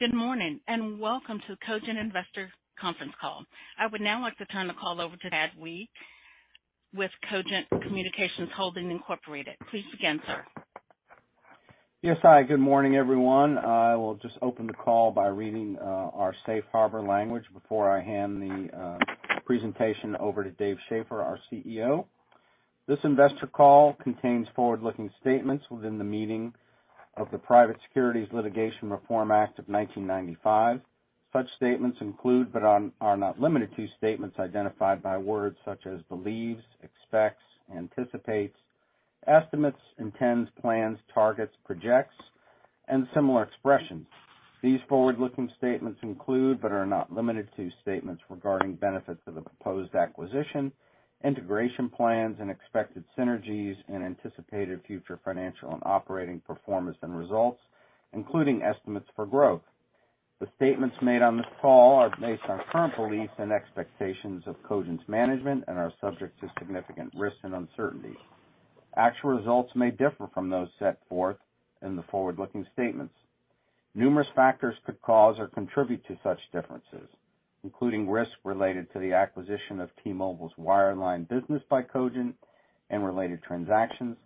Good morning, and welcome to the Cogent Investor Conference Call. I would now like to turn the call over to Tad Weed with Cogent Communications Holdings, Inc. Please begin, sir. Yes. Hi, good morning, everyone. I will just open the call by reading our safe harbor language before I hand the presentation over to Dave Schaeffer, our CEO. This investor call contains forward-looking statements within the meaning of the Private Securities Litigation Reform Act of 1995. Such statements include, but are not limited to statements identified by words such as believes, expects, anticipates, estimates, intends, plans, targets, projects, and similar expressions. These forward-looking statements include, but are not limited to statements regarding benefits of the proposed acquisition, integration plans and expected synergies, and anticipated future financial and operating performance and results, including estimates for growth. The statements made on this call are based on current beliefs and expectations of Cogent's management and are subject to significant risks and uncertainty. Actual results may differ from those set forth in the forward-looking statements. Numerous factors could cause or contribute to such differences, including risks related to the acquisition of T-Mobile's wireline business by Cogent and related transactions,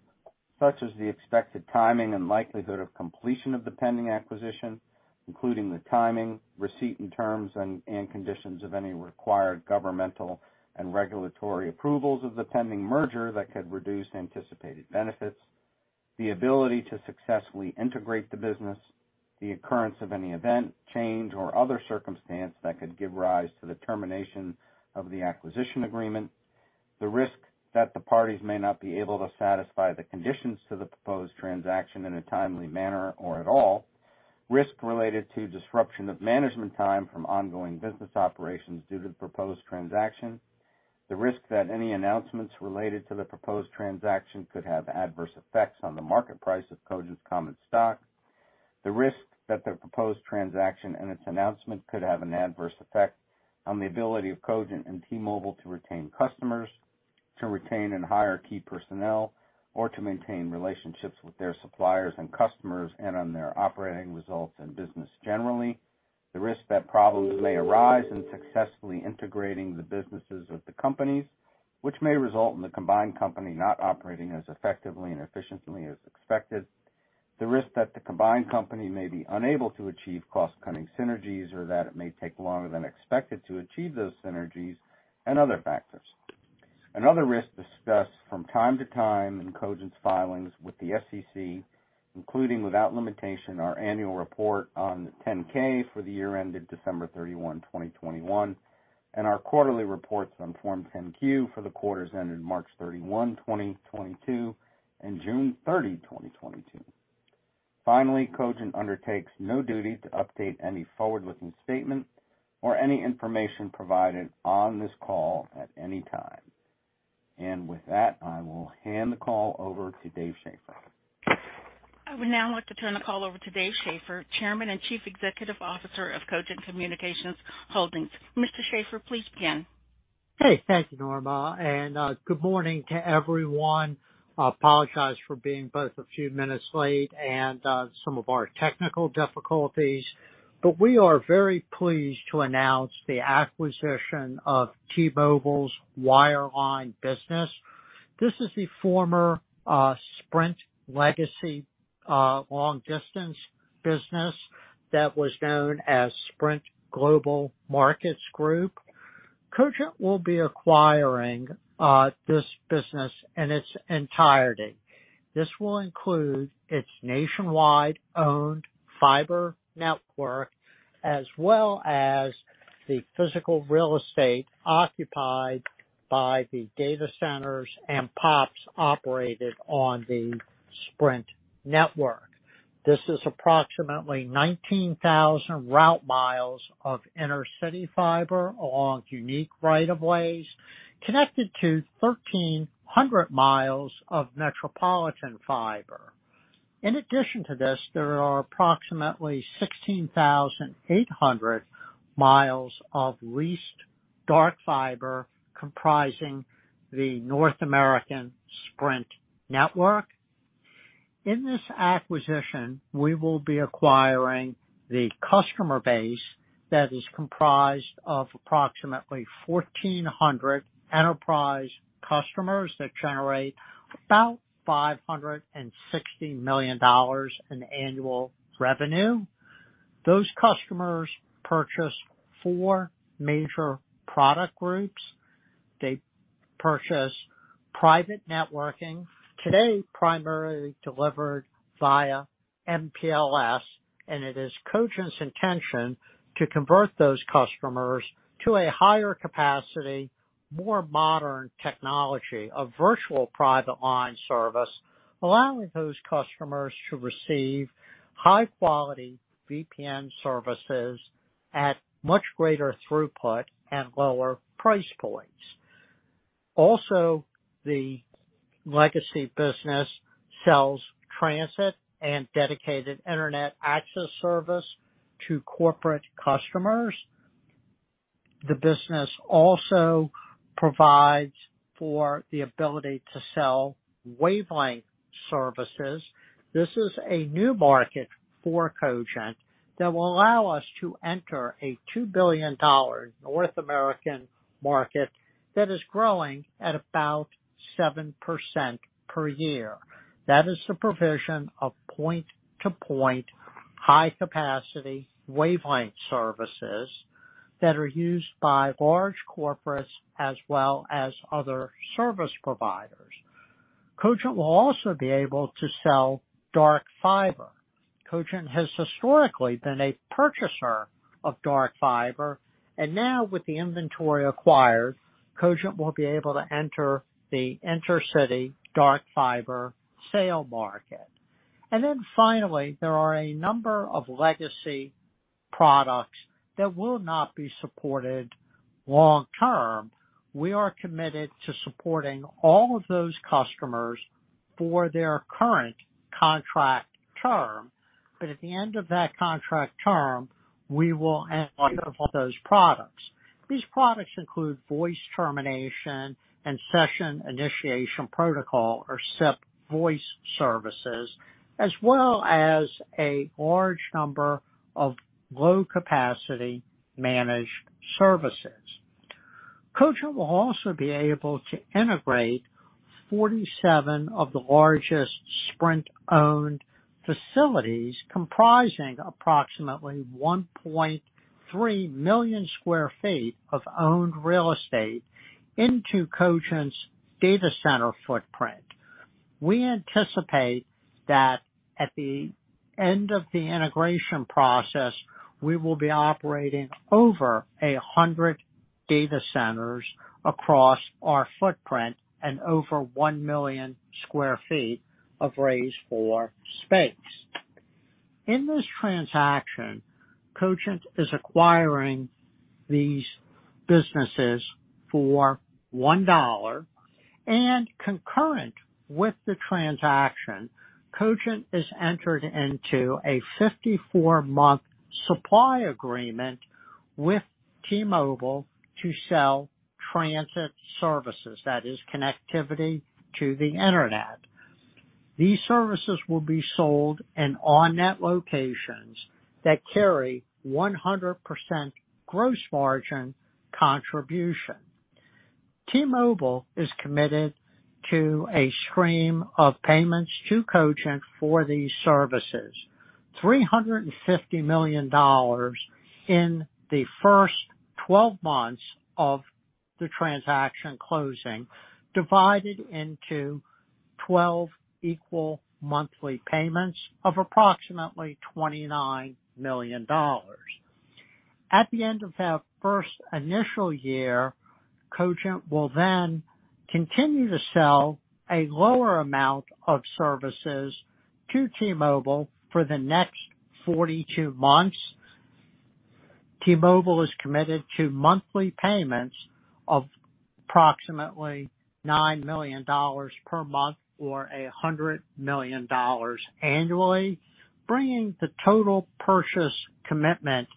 such as the expected timing and likelihood of completion of the pending acquisition, including the timing, receipt and terms and conditions of any required governmental and regulatory approvals of the pending merger that could reduce anticipated benefits, the ability to successfully integrate the business, the occurrence of any event, change, or other circumstance that could give rise to the termination of the acquisition agreement, the risk that the parties may not be able to satisfy the conditions to the proposed transaction in a timely manner or at all, risk related to disruption of management time from ongoing business operations due to the proposed transaction, the risk that any announcements related to the proposed transaction could have adverse effects on the market price of Cogent's common stock, the risk that the proposed transaction and its announcement could have an adverse effect on the ability of Cogent and T-Mobile to retain customers, to retain and hire key personnel, or to maintain relationships with their suppliers and customers and on their operating results and business generally. The risk that problems may arise in successfully integrating the businesses of the companies, which may result in the combined company not operating as effectively and efficiently as expected, the risk that the combined company may be unable to achieve cost-cutting synergies or that it may take longer than expected to achieve those synergies and other factors. Another risk discussed from time to time in Cogent's filings with the SEC, including, without limitation, our annual report on the 10-K for the year ended December 31, 2021, and our quarterly reports on Form 10-Q for the quarters ended March 31, 2022 and June 30, 2022. Finally, Cogent undertakes no duty to update any forward-looking statement or any information provided on this call at any time. With that, I will hand the call over to Dave Schaeffer. I would now like to turn the call over to Dave Schaeffer, Chairman and Chief Executive Officer of Cogent Communications Holdings. Mr. Schaeffer, please begin. Hey, thank you, Norma, and good morning to everyone. I apologize for being both a few minutes late and some of our technical difficulties, but we are very pleased to announce the acquisition of T-Mobile's wireline business. This is the former Sprint legacy long distance business that was known as Sprint Global Markets Group. Cogent will be acquiring this business in its entirety. This will include its nationwide owned fiber network, as well as the physical real estate occupied by the data centers and POPs operated on the Sprint network. This is approximately 19,000 route miles of inner-city fiber along unique right of ways connected to 1,300 miles of metropolitan fiber. In addition to this, there are approximately 16,800 miles of leased dark fiber comprising the North American Sprint network. In this acquisition, we will be acquiring the customer base that is comprised of approximately 1,400 enterprise customers that generate about $560 million in annual revenue. Those customers purchase four major product groups. They purchase private networking, today, primarily delivered via MPLS, and it is Cogent's intention to convert those customers to a higher capacity, more modern technology of virtual private line service, allowing those customers to receive high-quality VPN services at much greater throughput and lower price points. Also, the legacy business sells transit and dedicated internet access service to corporate customers. The business also provides for the ability to sell wavelength services. This is a new market for Cogent that will allow us to enter a $2 billion North American market that is growing at about 7% per year. That is the provision of point-to-point high capacity wavelength services that are used by large corporates as well as other service providers. Cogent will also be able to sell dark fiber. Cogent has historically been a purchaser of dark fiber, and now with the inventory acquired, Cogent will be able to enter the intercity dark fiber sale market. Finally, there are a number of legacy products that will not be supported long-term. We are committed to supporting all of those customers for their current contract term, but at the end of that contract term, we will end those products. These products include voice termination and session initiation protocol or SIP voice services, as well as a large number of low capacity managed services. Cogent will also be able to integrate 47 of the largest Sprint-owned facilities, comprising approximately 1.3 million sq ft of owned real estate into Cogent's data center footprint. We anticipate that at the end of the integration process, we will be operating over 100 data centers across our footprint and over 1 million sq ft of raised floor space. In this transaction, Cogent is acquiring these businesses for $1. Concurrent with the transaction, Cogent has entered into a 54-month supply agreement with T-Mobile to sell transit services, that is connectivity to the Internet. These services will be sold in on-net locations that carry 100% gross margin contribution. T-Mobile is committed to a stream of payments to Cogent for these services. $350 million in the first 12 months of the transaction closing, divided into 12 equal monthly payments of approximately $29 million. At the end of that first initial year, Cogent will then continue to sell a lower amount of services to T-Mobile for the next 42 months. T-Mobile is committed to monthly payments of approximately $9 million per month or $100 million annually, bringing the total purchase commitment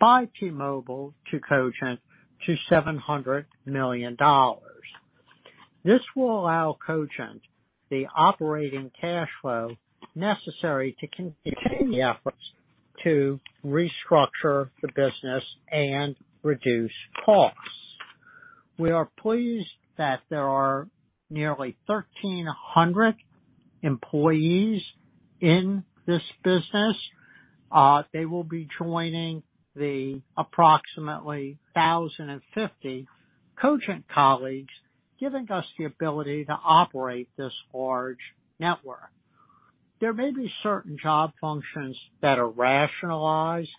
by T-Mobile to Cogent to $700 million. This will allow Cogent the operating cash flow necessary to continue efforts to restructure the business and reduce costs. We are pleased that there are nearly 1,300 employees in this business. They will be joining the approximately 1,050 Cogent colleagues, giving us the ability to operate this large network. There may be certain job functions that are rationalized,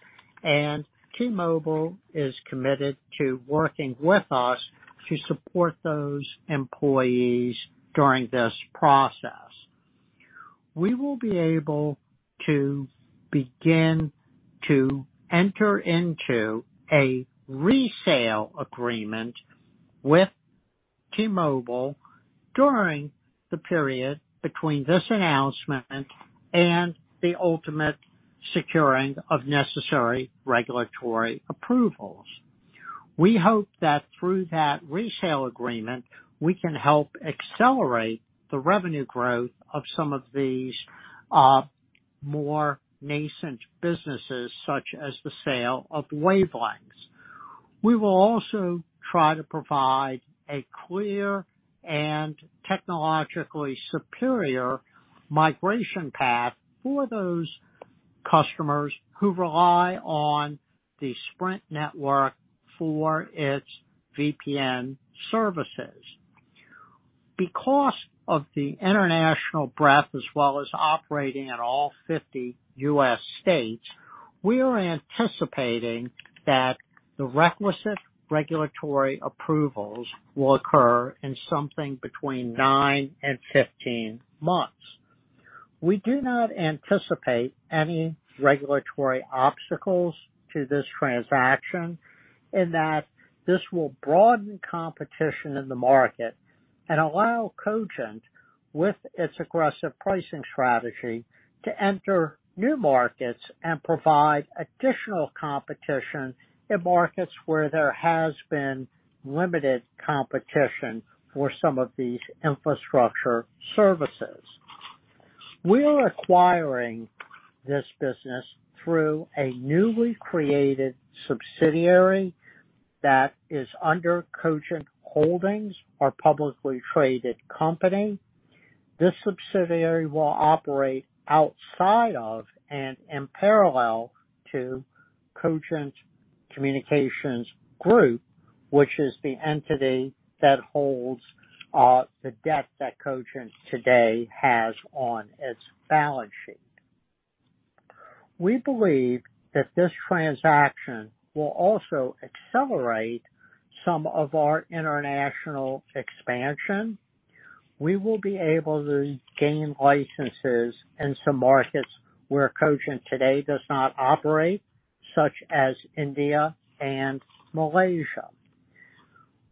and T-Mobile is committed to working with us to support those employees during this process. We will be able to begin to enter into a resale agreement with T-Mobile during the period between this announcement and the ultimate securing of necessary regulatory approvals. We hope that through that resale agreement, we can help accelerate the revenue growth of some of these, more nascent businesses, such as the sale of wavelengths. We will also try to provide a clear and technologically superior migration path for those customers who rely on the Sprint network for its VPN services. Because of the international breadth as well as operating in all 50 U.S. states, we are anticipating that the requisite regulatory approvals will occur in something between nine and 15 months. We do not anticipate any regulatory obstacles to this transaction, in that this will broaden competition in the market. Allow Cogent, with its aggressive pricing strategy, to enter new markets and provide additional competition in markets where there has been limited competition for some of these infrastructure services. We are acquiring this business through a newly created subsidiary that is under Cogent Holdings, our publicly traded company. This subsidiary will operate outside of and in parallel to Cogent Communications Group, which is the entity that holds the debt that Cogent today has on its balance sheet. We believe that this transaction will also accelerate some of our international expansion. We will be able to gain licenses in some markets where Cogent today does not operate, such as India and Malaysia.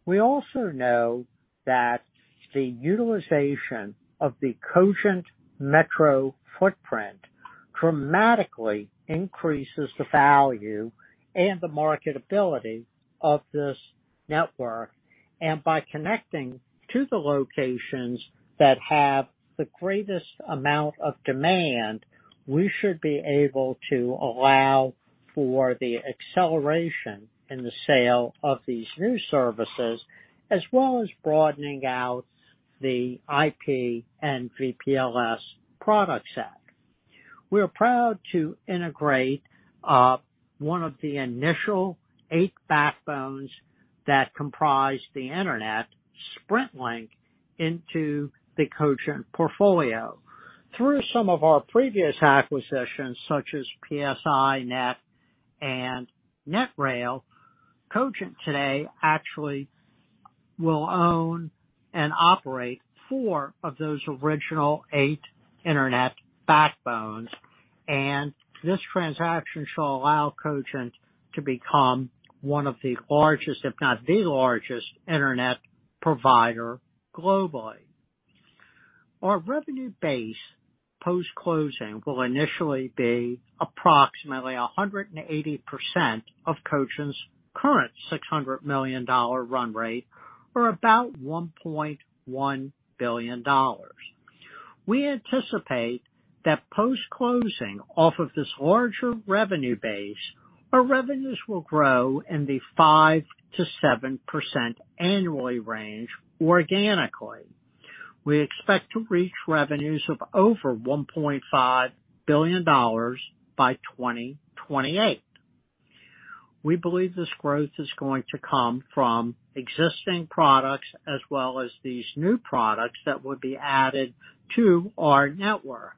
We also know that the utilization of the Cogent metro footprint dramatically increases the value and the marketability of this network. By connecting to the locations that have the greatest amount of demand, we should be able to allow for the acceleration in the sale of these new services, as well as broadening out the IP and VPLS product set. We are proud to integrate one of the initial eight backbones that comprise the internet SprintLink into the Cogent portfolio. Through some of our previous acquisitions, such as PSINet and NetRail, Cogent today actually will own and operate four of those original eight internet backbones. This transaction shall allow Cogent to become one of the largest, if not the largest internet provider globally. Our revenue base post-closing will initially be approximately 180% of Cogent's current $600 million run rate, or about $1.1 billion. We anticipate that post-closing off of this larger revenue base, our revenues will grow in the 5%-7% annually range organically. We expect to reach revenues of over $1.5 billion by 2028. We believe this growth is going to come from existing products as well as these new products that would be added to our network.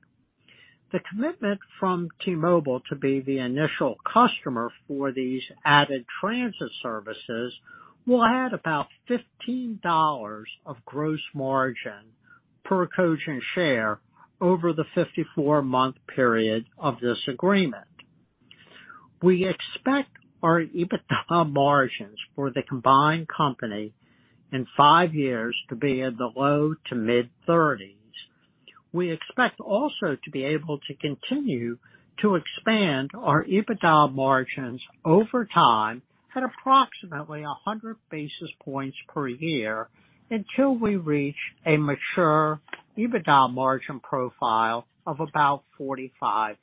The commitment from T-Mobile to be the initial customer for these added transit services will add about $15 of gross margin per Cogent share over the 54-month period of this agreement. We expect our EBITDA margins for the combined company in five years to be in the low-to-mid 30s%. We expect also to be able to continue to expand our EBITDA margins over time at approximately 100 basis points per year, until we reach a mature EBITDA margin profile of about 45%.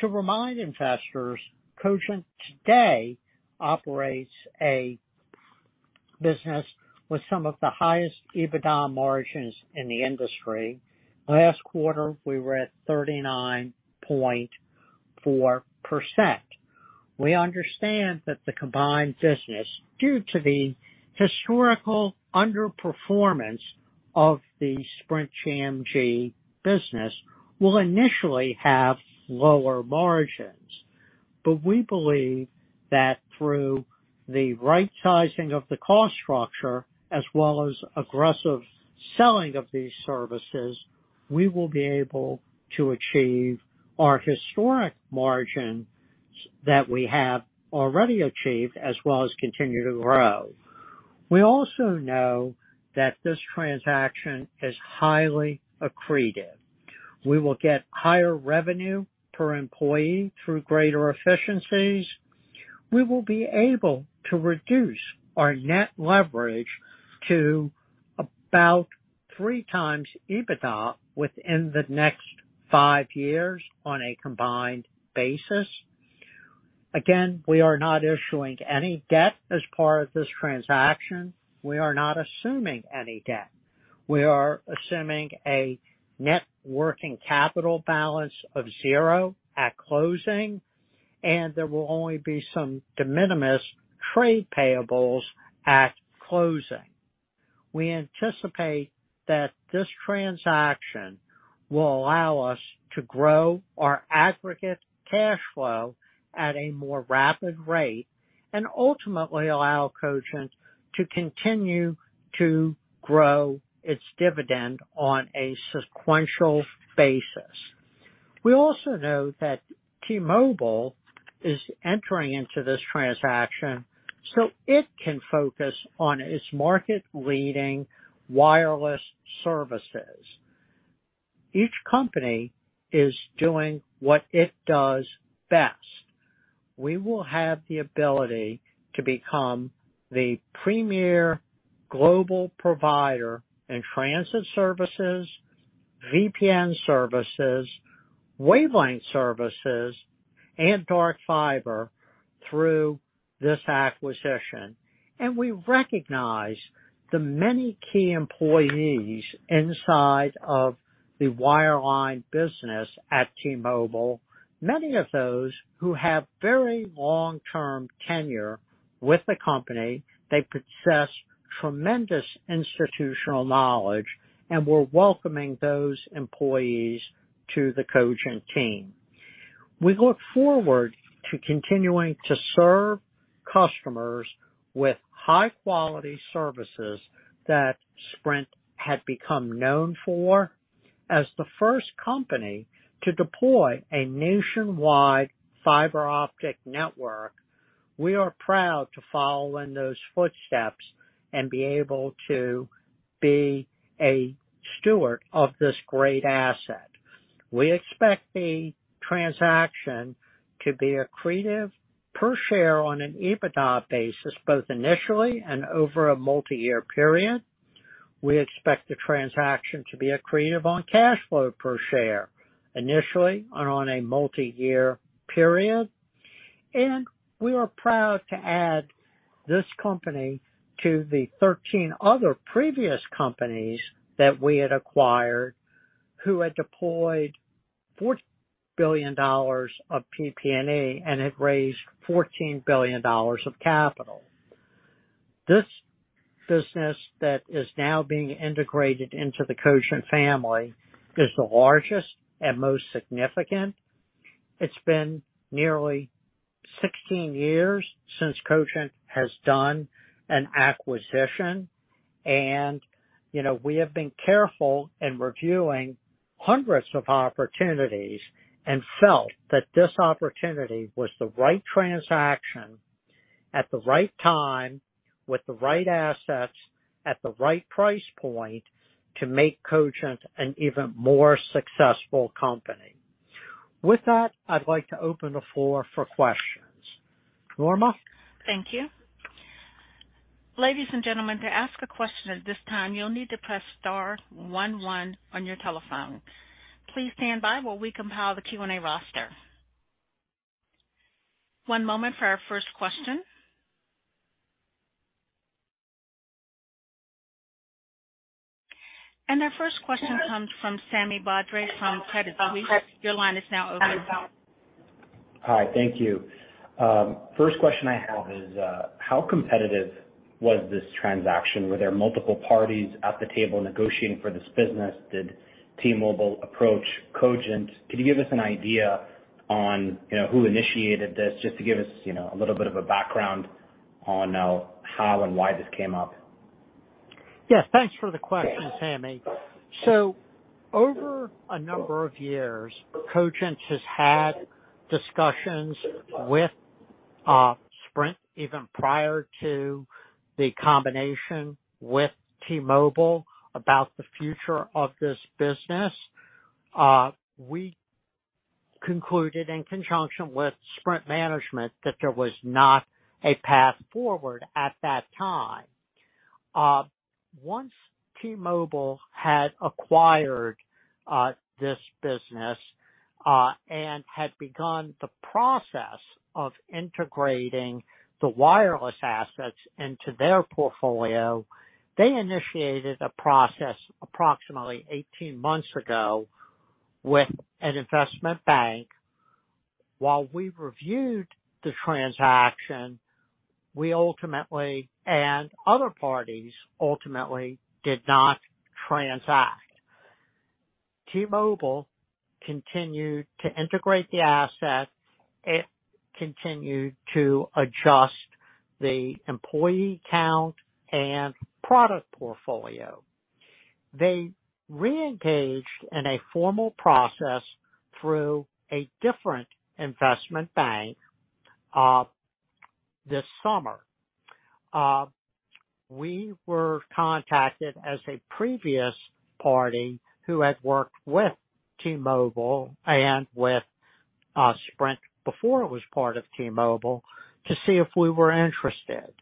To remind investors, Cogent today operates a business with some of the highest EBITDA margins in the industry. Last quarter, we were at 39.4%. We understand that the combined business, due to the historical underperformance of the Sprint GMG business, will initially have lower margins. We believe that through the right sizing of the cost structure as well as aggressive selling of these services, we will be able to achieve our historic margins that we have already achieved as well as continue to grow. We also know that this transaction is highly accretive. We will get higher revenue per employee through greater efficiencies. We will be able to reduce our net leverage to about 3x EBITDA within the next five years on a combined basis. Again, we are not issuing any debt as part of this transaction. We are not assuming any debt. We are assuming a net working capital balance of zero at closing, and there will only be some de minimis trade payables at closing. We anticipate that this transaction will allow us to grow our aggregate cash flow at a more rapid rate and ultimately allow Cogent to continue to grow its dividend on a sequential basis. We also know that T-Mobile is entering into this transaction so it can focus on its market leading wireless services. Each company is doing what it does best. We will have the ability to become the premier global provider in transit services, VPN services, wavelength services, and dark fiber through this acquisition. We recognize the many key employees inside of the wireline business at T-Mobile, many of those who have very long-term tenure with the company. They possess tremendous institutional knowledge, and we're welcoming those employees to the Cogent team. We look forward to continuing to serve customers with high quality services that Sprint had become known for. As the first company to deploy a nationwide fiber optic network, we are proud to follow in those footsteps and be able to be a steward of this great asset. We expect the transaction to be accretive per share on an EBITDA basis, both initially and over a multi-year period. We expect the transaction to be accretive on cash flow per share initially and on a multi-year period. We are proud to add this company to the 13 other previous companies that we had acquired, who had deployed $40 billion of PP&E and had raised $14 billion of capital. This business that is now being integrated into the Cogent family is the largest and most significant. It's been nearly 16 years since Cogent has done an acquisition. You know, we have been careful in reviewing hundreds of opportunities and felt that this opportunity was the right transaction at the right time, with the right assets, at the right price point to make Cogent an even more successful company. With that, I'd like to open the floor for questions. Norma? Thank you. Ladies and gentlemen, to ask a question at this time, you'll need to press star one one on your telephone. Please stand by while we compile the Q&A roster. One moment for our first question. Our first question comes from Sami Badri from Credit Suisse. Your line is now open. Hi. Thank you. First question I have is, how competitive was this transaction? Were there multiple parties at the table negotiating for this business? Did T-Mobile approach Cogent? Can you give us an idea on, you know, who initiated this just to give us, you know, a little bit of a background on, how and why this came up? Yes, thanks for the question, Sami. Over a number of years, Cogent has had discussions with Sprint even prior to the combination with T-Mobile, about the future of this business. We concluded in conjunction with Sprint management that there was not a path forward at that time. Once T-Mobile had acquired this business and had begun the process of integrating the wireless assets into their portfolio, they initiated a process approximately 18 months ago with an investment bank. While we reviewed the transaction, we ultimately, and other parties ultimately did not transact. T-Mobile continued to integrate the asset. It continued to adjust the employee count and product portfolio. They reengaged in a formal process through a different investment bank, this summer. We were contacted as a previous party who had worked with T-Mobile and with Sprint before it was part of T-Mobile to see if we were interested.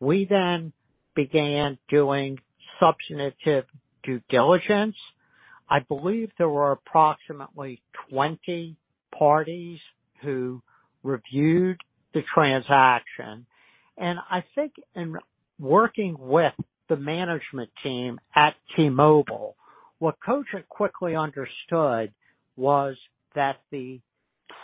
We then began doing substantive due diligence. I believe there were approximately 20 parties who reviewed the transaction, and I think in working with the management team at T-Mobile, what Cogent quickly understood was that the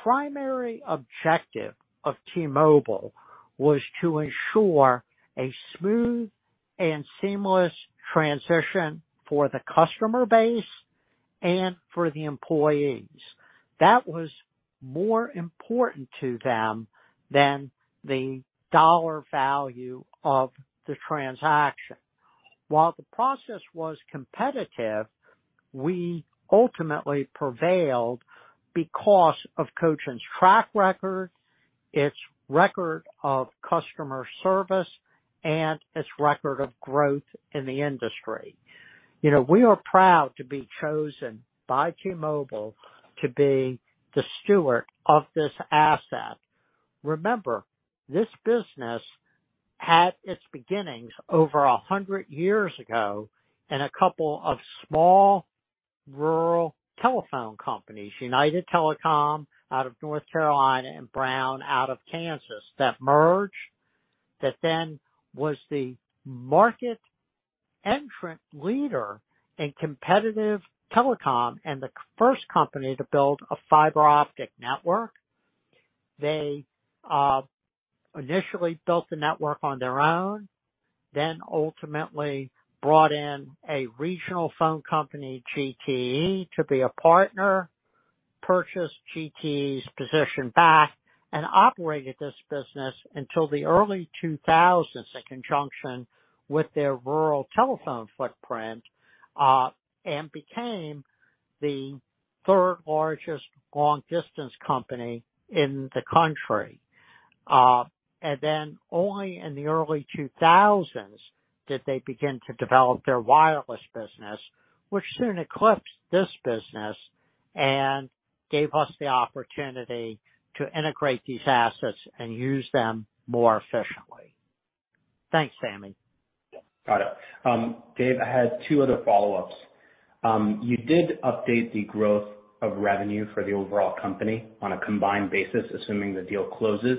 primary objective of T-Mobile was to ensure a smooth and seamless transition for the customer base and for the employees. That was more important to them than the US dollar value of the transaction. While the process was competitive, we ultimately prevailed because of Cogent's track record, its record of customer service, and its record of growth in the industry. You know, we are proud to be chosen by T-Mobile to be the steward of this asset. Remember, this business had its beginnings over 100 years ago in a couple of small rural telephone companies, United Telecom out of North Carolina and Brown out of Kansas, that merged. That then was the market entrant leader in competitive telecom and the first company to build a fiber optic network. They initially built the network on their own, then ultimately brought in a regional phone company, GTE, to be a partner, purchased GTE's position back and operated this business until the early 2000s in conjunction with their rural telephone footprint, and became the third largest long distance company in the country. Only in the early 2000s did they begin to develop their wireless business, which soon eclipsed this business and gave us the opportunity to integrate these assets and use them more efficiently. Thanks, Sami. Got it. Dave, I had two other follow-ups. You did update the growth of revenue for the overall company on a combined basis, assuming the deal closes.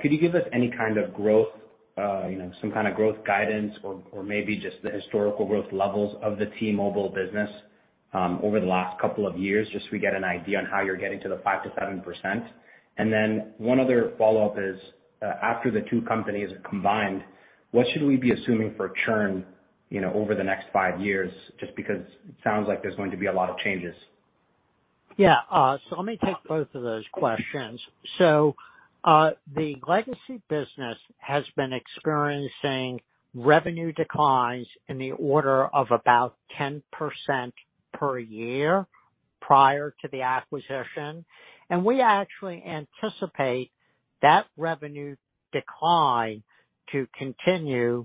Could you give us any kind of growth, you know, some kind of growth guidance or maybe just the historical growth levels of the T-Mobile business, over the last couple of years, just so we get an idea on how you're getting to the 5%-7%? One other follow-up is, after the two companies are combined, what should we be assuming for churn, you know, over the next five years? Just because it sounds like there's going to be a lot of changes. Yeah, let me take both of those questions. The legacy business has been experiencing revenue declines in the order of about 10% per year prior to the acquisition. We actually anticipate that revenue decline to continue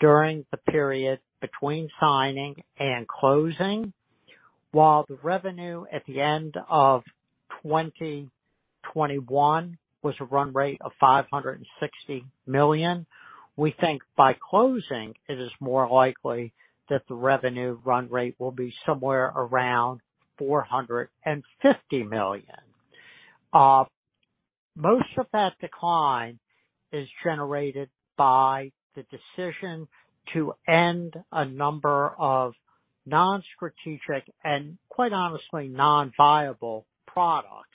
during the period between signing and closing. While the revenue at the end of 2021 was a run rate of $560 million, we think by closing it is more likely that the revenue run rate will be somewhere around $450 million. Most of that decline is generated by the decision to end a number of non-strategic and quite honestly, non-viable products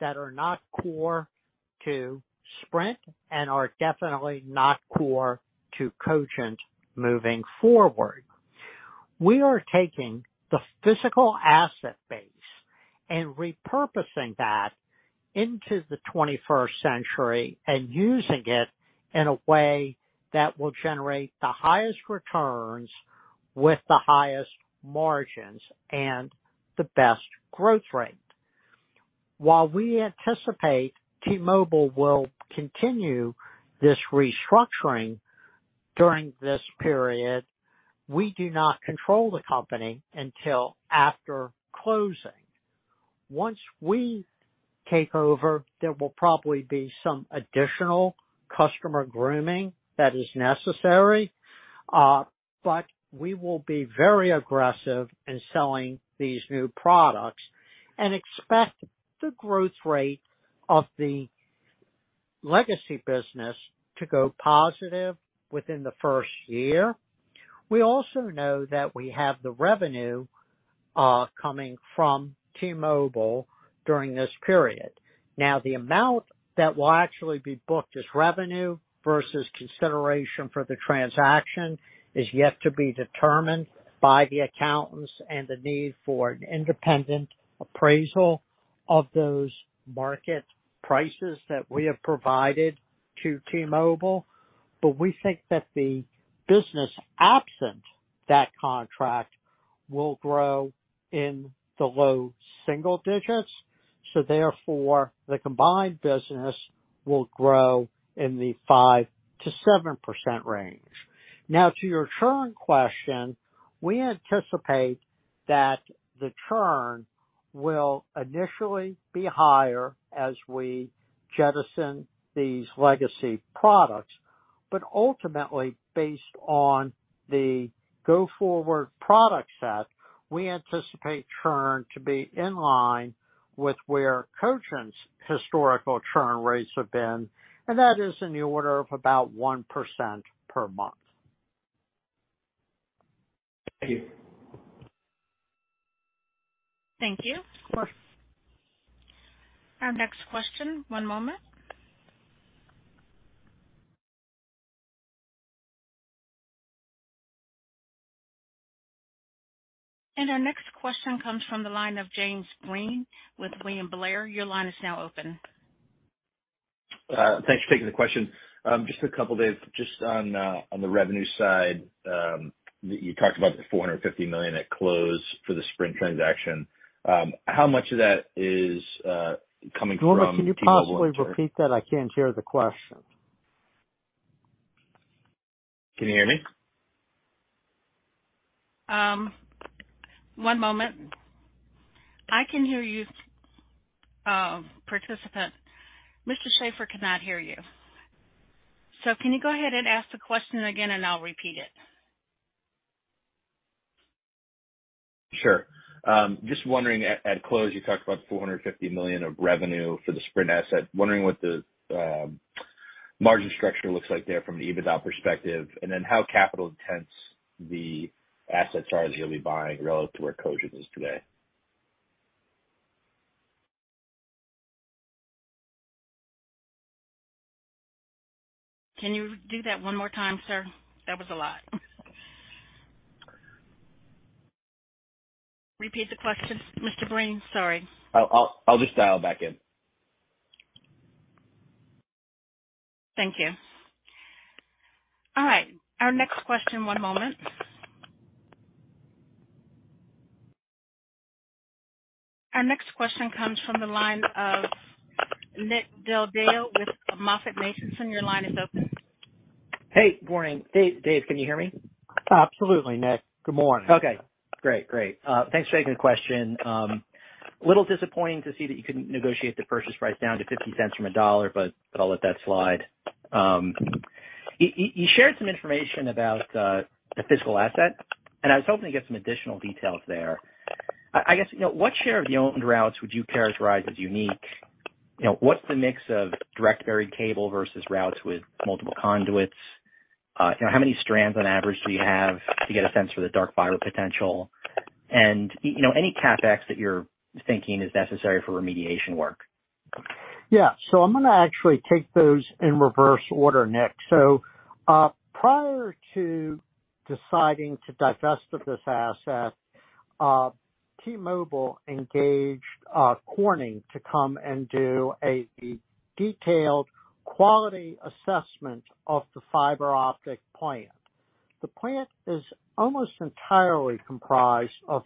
that are not core to Sprint and are definitely not core to Cogent moving forward. We are taking the physical asset base and repurposing that into the 21st century and using it in a way that will generate the highest returns with the highest margins and the best growth rate. While we anticipate T-Mobile will continue this restructuring during this period, we do not control the company until after closing. Once we take over, there will probably be some additional customer grooming that is necessary, but we will be very aggressive in selling these new products and expect the growth rate of the legacy business to go positive within the first year. We also know that we have the revenue coming from T-Mobile during this period. Now, the amount that will actually be booked as revenue versus consideration for the transaction is yet to be determined by the accountants and the need for an independent appraisal of those market prices that we have provided to T-Mobile. We think that the business absent that contract will grow in the low single digits, so therefore the combined business will grow in the 5%-7% range. Now to your churn question, we anticipate that the churn will initially be higher as we jettison these legacy products. Ultimately, based on the go forward product set, we anticipate churn to be in line with where Cogent's historical churn rates have been, and that is in the order of about 1% per month. Thank you. Thank you. Of course. Our next question. One moment. Our next question comes from the line of James Breen with William Blair. Your line is now open. Thanks for taking the question. Just a couple, Dave. Just on the revenue side, you talked about the $450 million at close for the Sprint transaction. How much of that is coming from- Can you possibly repeat that? I can't hear the question. Can you hear me? One moment. I can hear you, participant. Mr. Schaeffer cannot hear you. Can you go ahead and ask the question again, and I'll repeat it. Sure. Just wondering, at close, you talked about $450 million of revenue for the Sprint asset. Wondering what the margin structure looks like there from an EBITDA perspective, and then how capital intensive the assets are that you'll be buying relative to where Cogent is today. Can you do that one more time, sir? That was a lot. Repeat the question, Mr. Breen? Sorry. I'll just dial back in. Thank you. All right, our next question, one moment. Our next question comes from the line of Nick Del Deo with MoffettNathanson. Your line is open. Hey. Morning. Dave, can you hear me? Absolutely, Nick. Good morning. Okay, great. Thanks for taking the question. A little disappointing to see that you couldn't negotiate the purchase price down to $0.50 from $1, but I'll let that slide. You shared some information about the physical asset, and I was hoping to get some additional details there. I guess, you know, what share of your owned routes would you characterize as unique? You know, what's the mix of direct buried cable versus routes with multiple conduits? You know, how many strands on average do you have to get a sense for the dark fiber potential? And, you know, any CapEx that you're thinking is necessary for remediation work? Yeah. I'm gonna actually take those in reverse order, Nick. Prior to deciding to divest of this asset, T-Mobile engaged Corning to come and do a detailed quality assessment of the fiber optic plant. The plant is almost entirely comprised of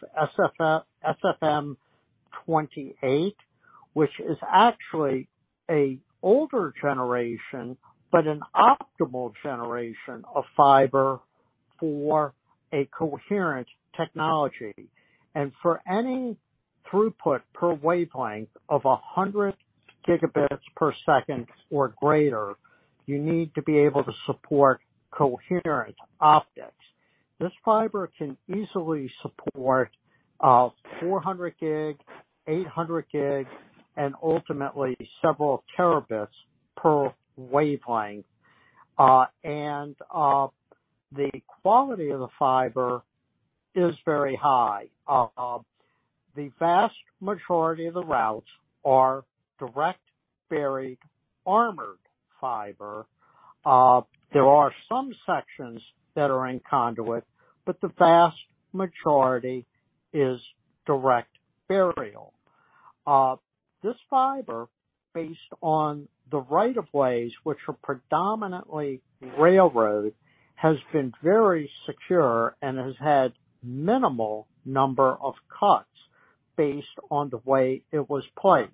SMF-28, which is actually an older generation, but an optimal generation of fiber for a coherent technology. For any throughput per wavelength of 100 gigabits per second or greater, you need to be able to support coherent optics. This fiber can easily support 400 gig, 800 gigs, and ultimately several terabits per wavelength. The quality of the fiber is very high. The vast majority of the routes are direct buried armored fiber. There are some sections that are in conduit, but the vast majority is direct burial. This fiber based on the rights of way, which are predominantly railroad, has been very secure and has had minimal number of cuts based on the way it was placed.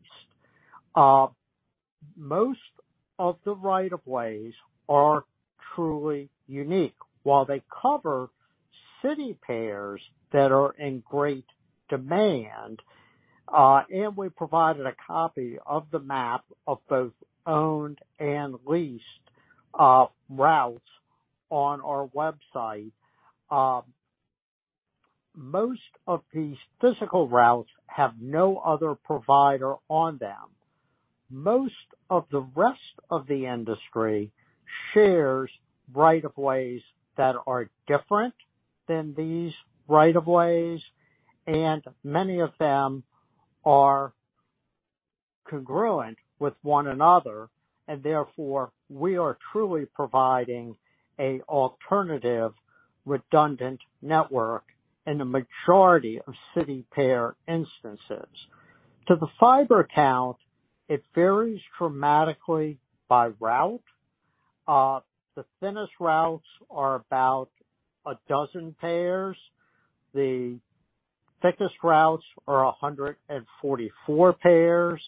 Most of the rights of way are truly unique. While they cover city pairs that are in great demand, and we provided a copy of the map of both owned and leased routes on our website, most of these physical routes have no other provider on them. Most of the rest of the industry shares rights of way that are different than these rights of way, and many of them are congruent with one another. Therefore, we are truly providing an alternative redundant network in the majority of city pair instances. To the fiber count, it varies dramatically by route. The thinnest routes are about a dozen pairs. The thickest routes are 144 pairs.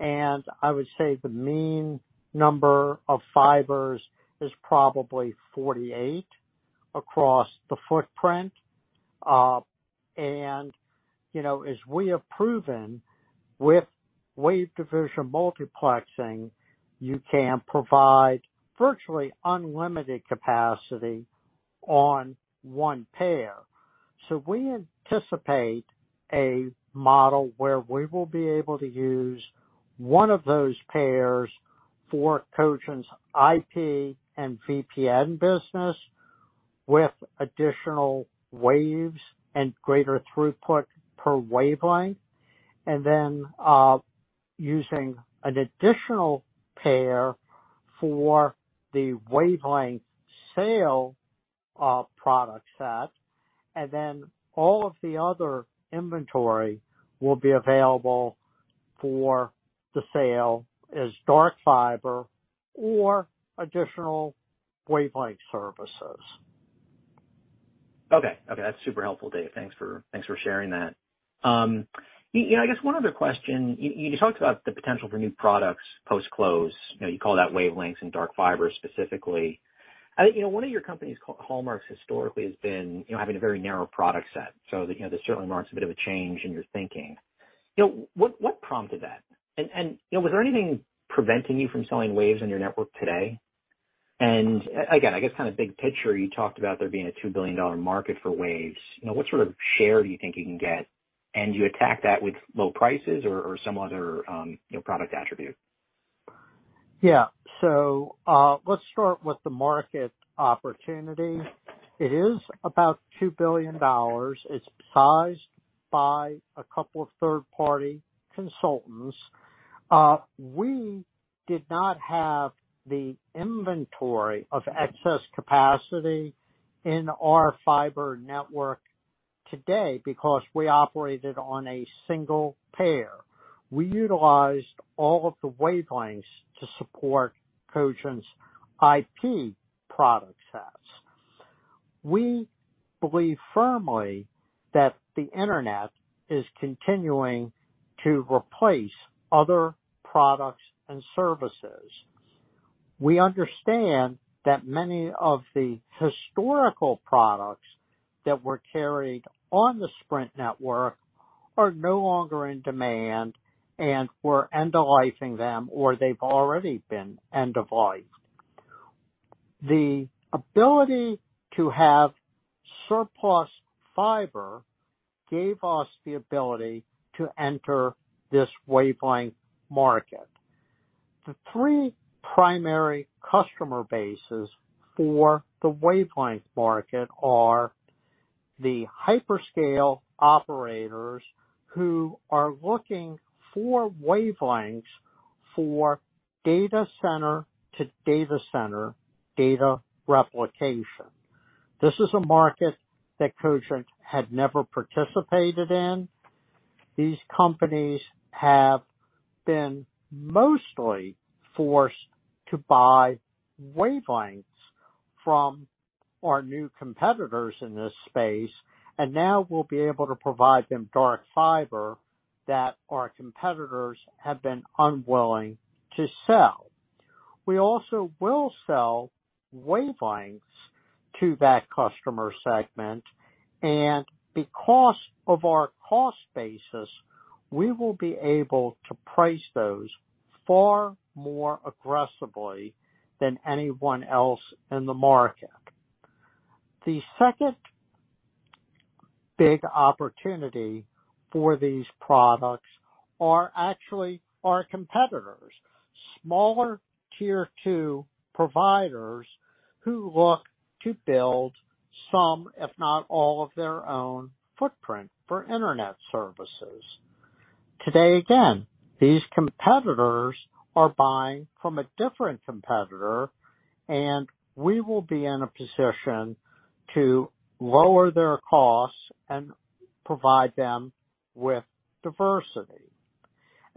I would say the mean number of fibers is probably 48 across the footprint. You know, as we have proven with wavelength division multiplexing, you can provide virtually unlimited capacity on one pair. We anticipate a model where we will be able to use one of those pairs for Cogent's IP and VPN business with additional waves and greater throughput per wavelength. Then, using an additional pair for the wavelength sale product set, and then all of the other inventory will be available for the sale as dark fiber or additional wavelength services. Okay, that's super helpful, Dave. Thanks for sharing that. You know, I guess one other question. You talked about the potential for new products post-close. You know, you called out wavelengths and dark fiber specifically. I think, you know, one of your company's hallmarks historically has been, you know, having a very narrow product set so that, you know, this certainly marks a bit of a change in your thinking. You know, what prompted that? And, you know, was there anything preventing you from selling waves in your network today? And again, I guess kind of big picture, you talked about there being a $2 billion market for waves. You know, what sort of share do you think you can get? And do you attack that with low prices or some other, you know, product attribute? Yeah. Let's start with the market opportunity. It is about $2 billion. It's sized by a couple of third-party consultants. We did not have the inventory of excess capacity in our fiber network today because we operated on a single pair. We utilized all of the wavelengths to support Cogent's IP product sets. We believe firmly that the internet is continuing to replace other products and services. We understand that many of the historical products that were carried on the Sprint network are no longer in demand and we're end-of-lifing them, or they've already been end-of-lifed. The ability to have surplus fiber gave us the ability to enter this wavelength market. The three primary customer bases for the wavelength market are the hyperscale operators who are looking for wavelengths for data center-to-data center data replication. This is a market that Cogent had never participated in. These companies have been mostly forced to buy wavelengths from our new competitors in this space, and now we'll be able to provide them dark fiber that our competitors have been unwilling to sell. We also will sell wavelengths to that customer segment, and because of our cost basis, we will be able to price those far more aggressively than anyone else in the market. The second big opportunity for these products are actually our competitors, smaller tier two providers who look to build some, if not all, of their own footprint for Internet services. Today, again, these competitors are buying from a different competitor, and we will be in a position to lower their costs and provide them with diversity.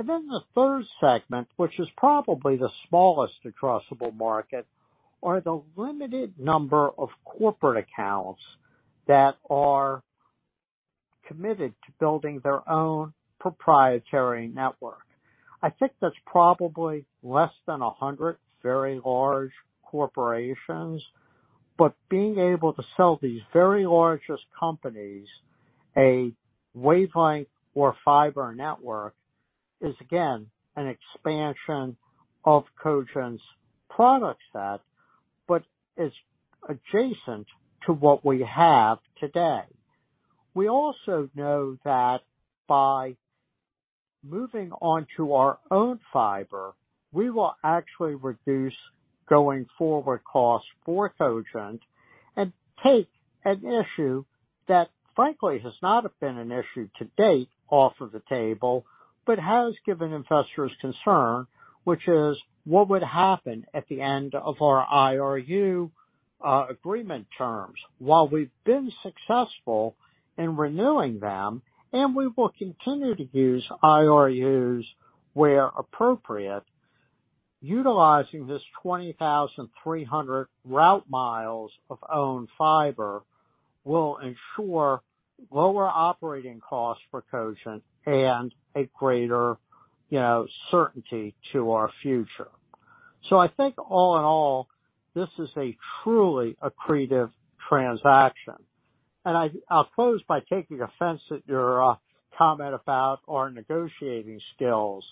Then the third segment, which is probably the smallest addressable market, are the limited number of corporate accounts that are committed to building their own proprietary network. I think that's probably less than 100 very large corporations, but being able to sell these very largest companies a wavelength or fiber network is again, an expansion of Cogent's product set, but is adjacent to what we have today. We also know that by moving on to our own fiber, we will actually reduce going forward costs for Cogent and take an issue that frankly has not been an issue to date off of the table, but has given investors concern, which is what would happen at the end of our IRU agreement terms. While we've been successful in renewing them, and we will continue to use IRUs where appropriate, utilizing this 20,300 route miles of owned fiber will ensure lower operating costs for Cogent and a greater, you know, certainty to our future. I think all in all, this is a truly accretive transaction. I'll close by taking offense at your, comment about our negotiating skills.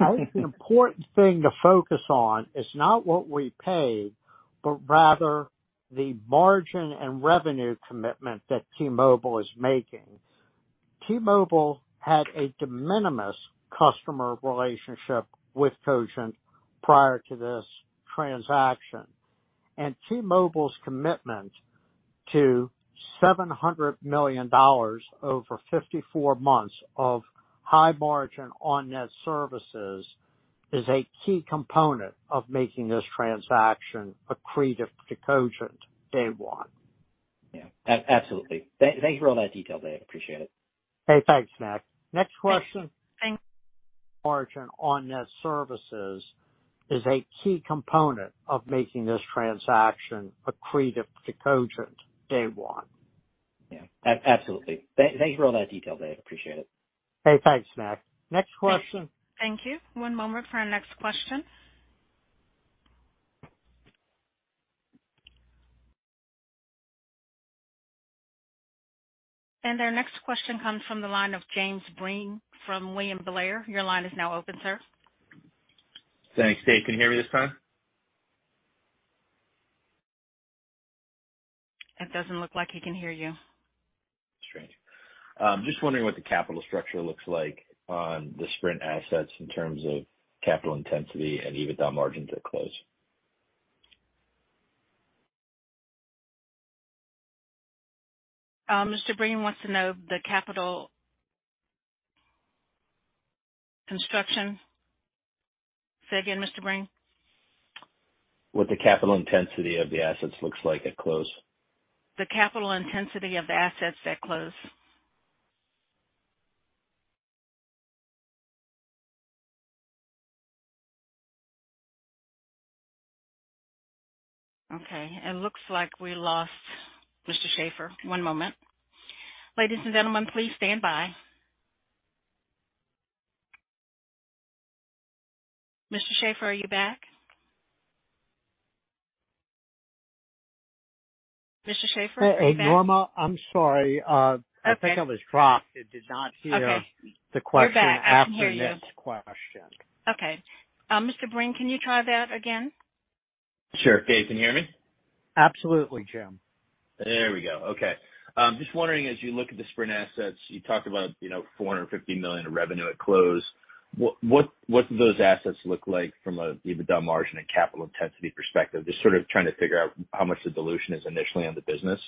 I think the important thing to focus on is not what we pay, but rather the margin and revenue commitment that T-Mobile is making. T-Mobile had a de minimis customer relationship with Cogent prior to this transaction. T-Mobile's commitment to $700 million over 54 months of high margin on net services is a key component of making this transaction accretive to Cogent day one. Yeah, absolutely. Thank you for all that detail, Dave. I appreciate it. Okay, thanks, Nick. Next question. Margin on net services is a key component of making this transaction accretive to Cogent day one. Yeah, absolutely. Thank you for all that detail, Dave. I appreciate it. Okay, thanks, Nick. Next question. Thank you. One moment for our next question. Our next question comes from the line of James Breen from William Blair. Your line is now open, sir. Thanks. Dave, can you hear me this time? It doesn't look like he can hear you. Strange. Just wondering what the capital structure looks like on the Sprint assets in terms of capital intensity and EBITDA margins at close? Mr. Breen wants to know the capital construction. Say again, Mr. Breen. What the capital intensity of the assets looks like at close? The capital intensity of the assets at close. Okay, it looks like we lost Mr. Schaeffer. One moment. Ladies and gentlemen, please stand by. Mr. Schaeffer, are you back? Mr. Schaeffer, are you back? Hey, Norma, I'm sorry. Okay. I think I was dropped and did not hear. Okay. the question. You're back. I can hear you. After this question. Okay. Mr. Breen, can you try that again? Sure. Dave, can you hear me? Absolutely, Jim. There we go. Okay. Just wondering, as you look at the Sprint assets, you talked about, you know, $450 million of revenue at close. What do those assets look like from a EBITDA margin and capital intensity perspective? Just sort of trying to figure out how much the dilution is initially on the business.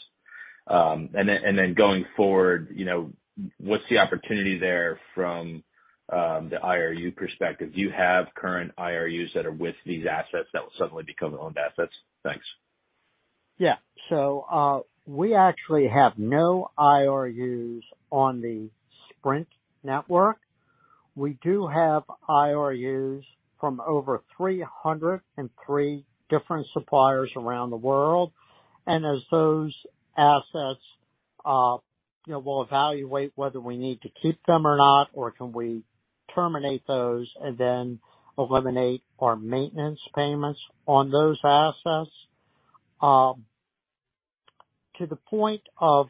And then going forward, you know, what's the opportunity there from the IRU perspective? Do you have current IRUs that are with these assets that will suddenly become owned assets? Thanks. Yeah. We actually have no IRUs on the Sprint network. We do have IRUs from over 303 different suppliers around the world. As those assets, you know, we'll evaluate whether we need to keep them or not, or can we terminate those and then eliminate our maintenance payments on those assets. To the point of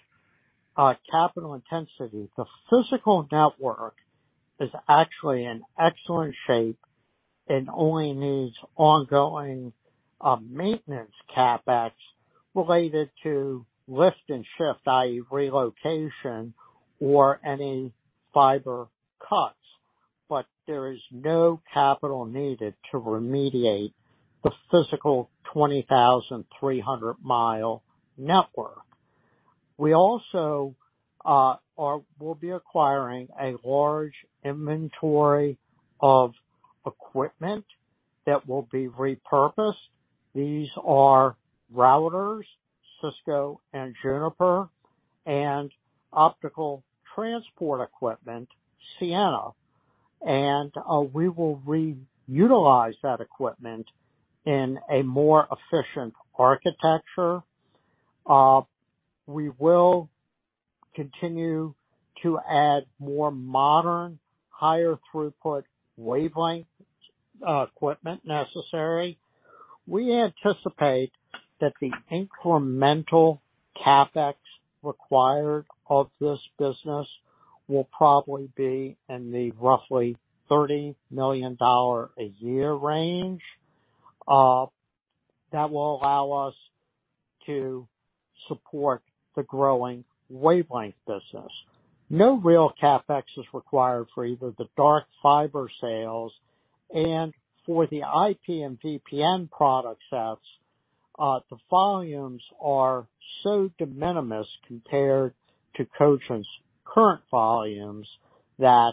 capital intensity, the physical network is actually in excellent shape and only needs ongoing maintenance CapEx related to lift and shift, i.e., relocation or any fiber cuts. There is no capital needed to remediate the physical 20,300-mile network. We also we'll be acquiring a large inventory of equipment that will be repurposed. These are routers, Cisco and Juniper, and optical transport equipment, Ciena. We will re-utilize that equipment in a more efficient architecture. We will continue to add more modern, higher throughput wavelength equipment necessary. We anticipate that the incremental CapEx required of this business will probably be in the roughly $30 million a year range that will allow us to support the growing wavelength business. No real CapEx is required for either the dark fiber sales and for the IP and VPN product sets, the volumes are so de minimis compared to Cogent's current volumes that,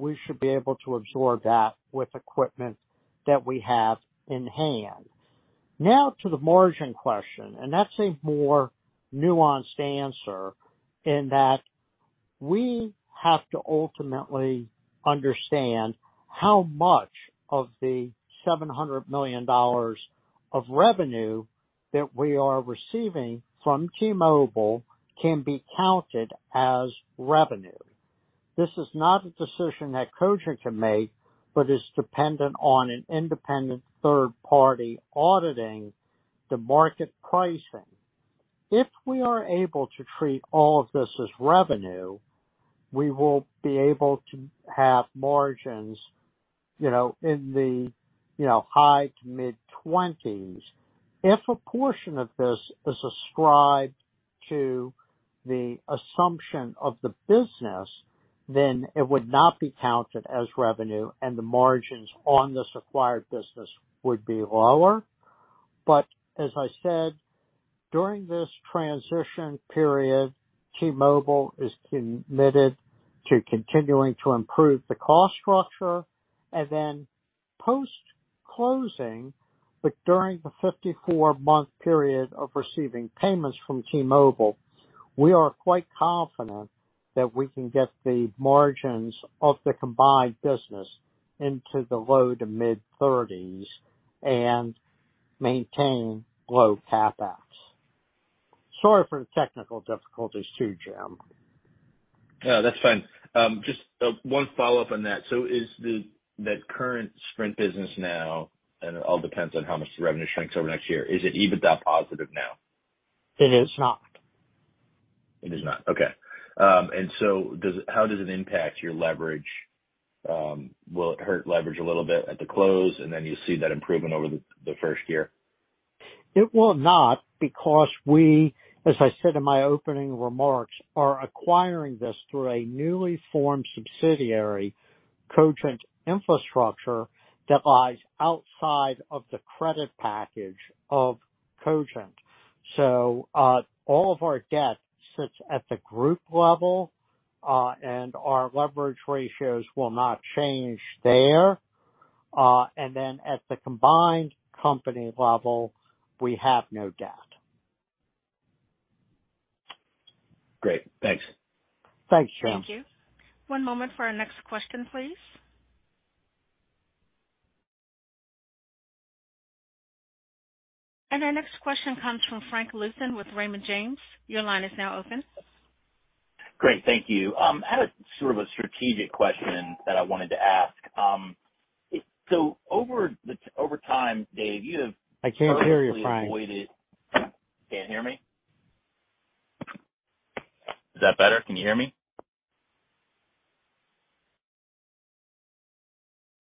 we should be able to absorb that with equipment that we have in-hand. Now to the margin question, and that's a more nuanced answer in that we have to ultimately understand how much of the $700 million of revenue that we are receiving from T-Mobile can be counted as revenue. This is not a decision that Cogent can make, but is dependent on an independent third party auditing the market pricing. If we are able to treat all of this as revenue, we will be able to have margins, you know, in the, you know, high to mid-20s. If a portion of this is ascribed to the assumption of the business, then it would not be counted as revenue, and the margins on this acquired business would be lower. As I said, during this transition period, T-Mobile is committed to continuing to improve the cost structure. Post-closing, but during the 54-month period of receiving payments from T-Mobile, we are quite confident that we can get the margins of the combined business into the low to mid-30s and maintain low CapEx. Sorry for the technical difficulties too, Jim. No, that's fine. Just one follow-up on that. Is the current Sprint business now, and it all depends on how much the revenue shrinks over next year, is it EBITDA positive now? It is not. It is not. Okay. How does it impact your leverage? Will it hurt leverage a little bit at the close, and then you see that improvement over the first year? It will not because we, as I said in my opening remarks, are acquiring this through a newly formed subsidiary, Cogent Infrastructure, that lies outside of the credit package of Cogent. All of our debt sits at the group level, and our leverage ratios will not change there. At the combined company level, we have no debt. Great. Thanks. Thanks, Jim. Thank you. One moment for our next question, please. Our next question comes from Frank Louthan with Raymond James. Your line is now open. Great. Thank you. I had a sort of a strategic question that I wanted to ask. Over time, Dave, you have- I can't hear you, Frank. You can't hear me? Is that better? Can you hear me?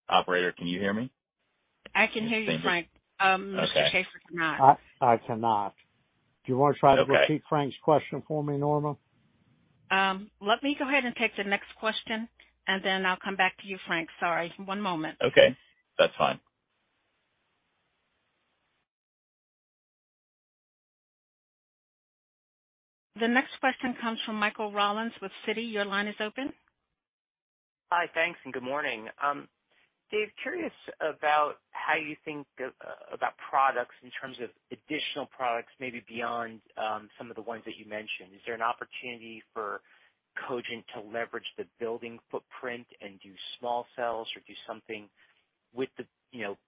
Operator, can you hear me? I can hear you, Frank. Mr. Schaeffer cannot. I cannot. Do you wanna try to repeat Frank's question for me, Norma? Let me go ahead and take the next question, and then I'll come back to you, Frank. Sorry. One moment. Okay. That's fine. The next question comes from Michael Rollins with Citi. Your line is open. Hi. Thanks, and good morning. Dave, curious about how you think of products in terms of additional products, maybe beyond some of the ones that you mentioned. Is there an opportunity for Cogent to leverage the building footprint and do small cells or do something with the, you know,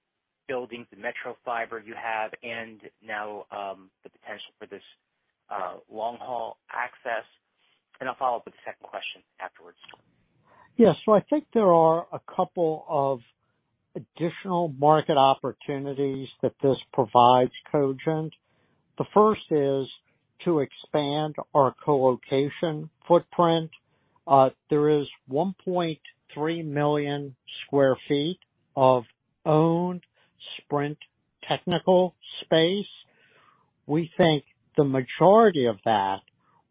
buildings, the metro fiber you have, and now the potential for this long-haul access? I'll follow up with a second question afterwards. Yeah. I think there are a couple of additional market opportunities that this provides Cogent. The first is to expand our co-location footprint. There is 1.3 million sq ft of owned Sprint technical space. We think the majority of that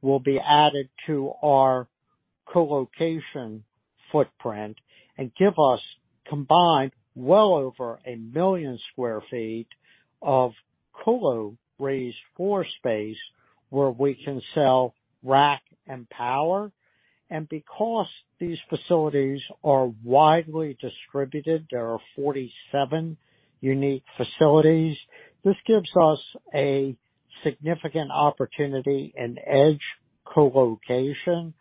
will be added to our co-location footprint and give us combined well over 1 million sq ft of colo raised floor space where we can sell rack and power. Because these facilities are widely distributed, there are 47 unique facilities. This gives us a significant opportunity in edge co-location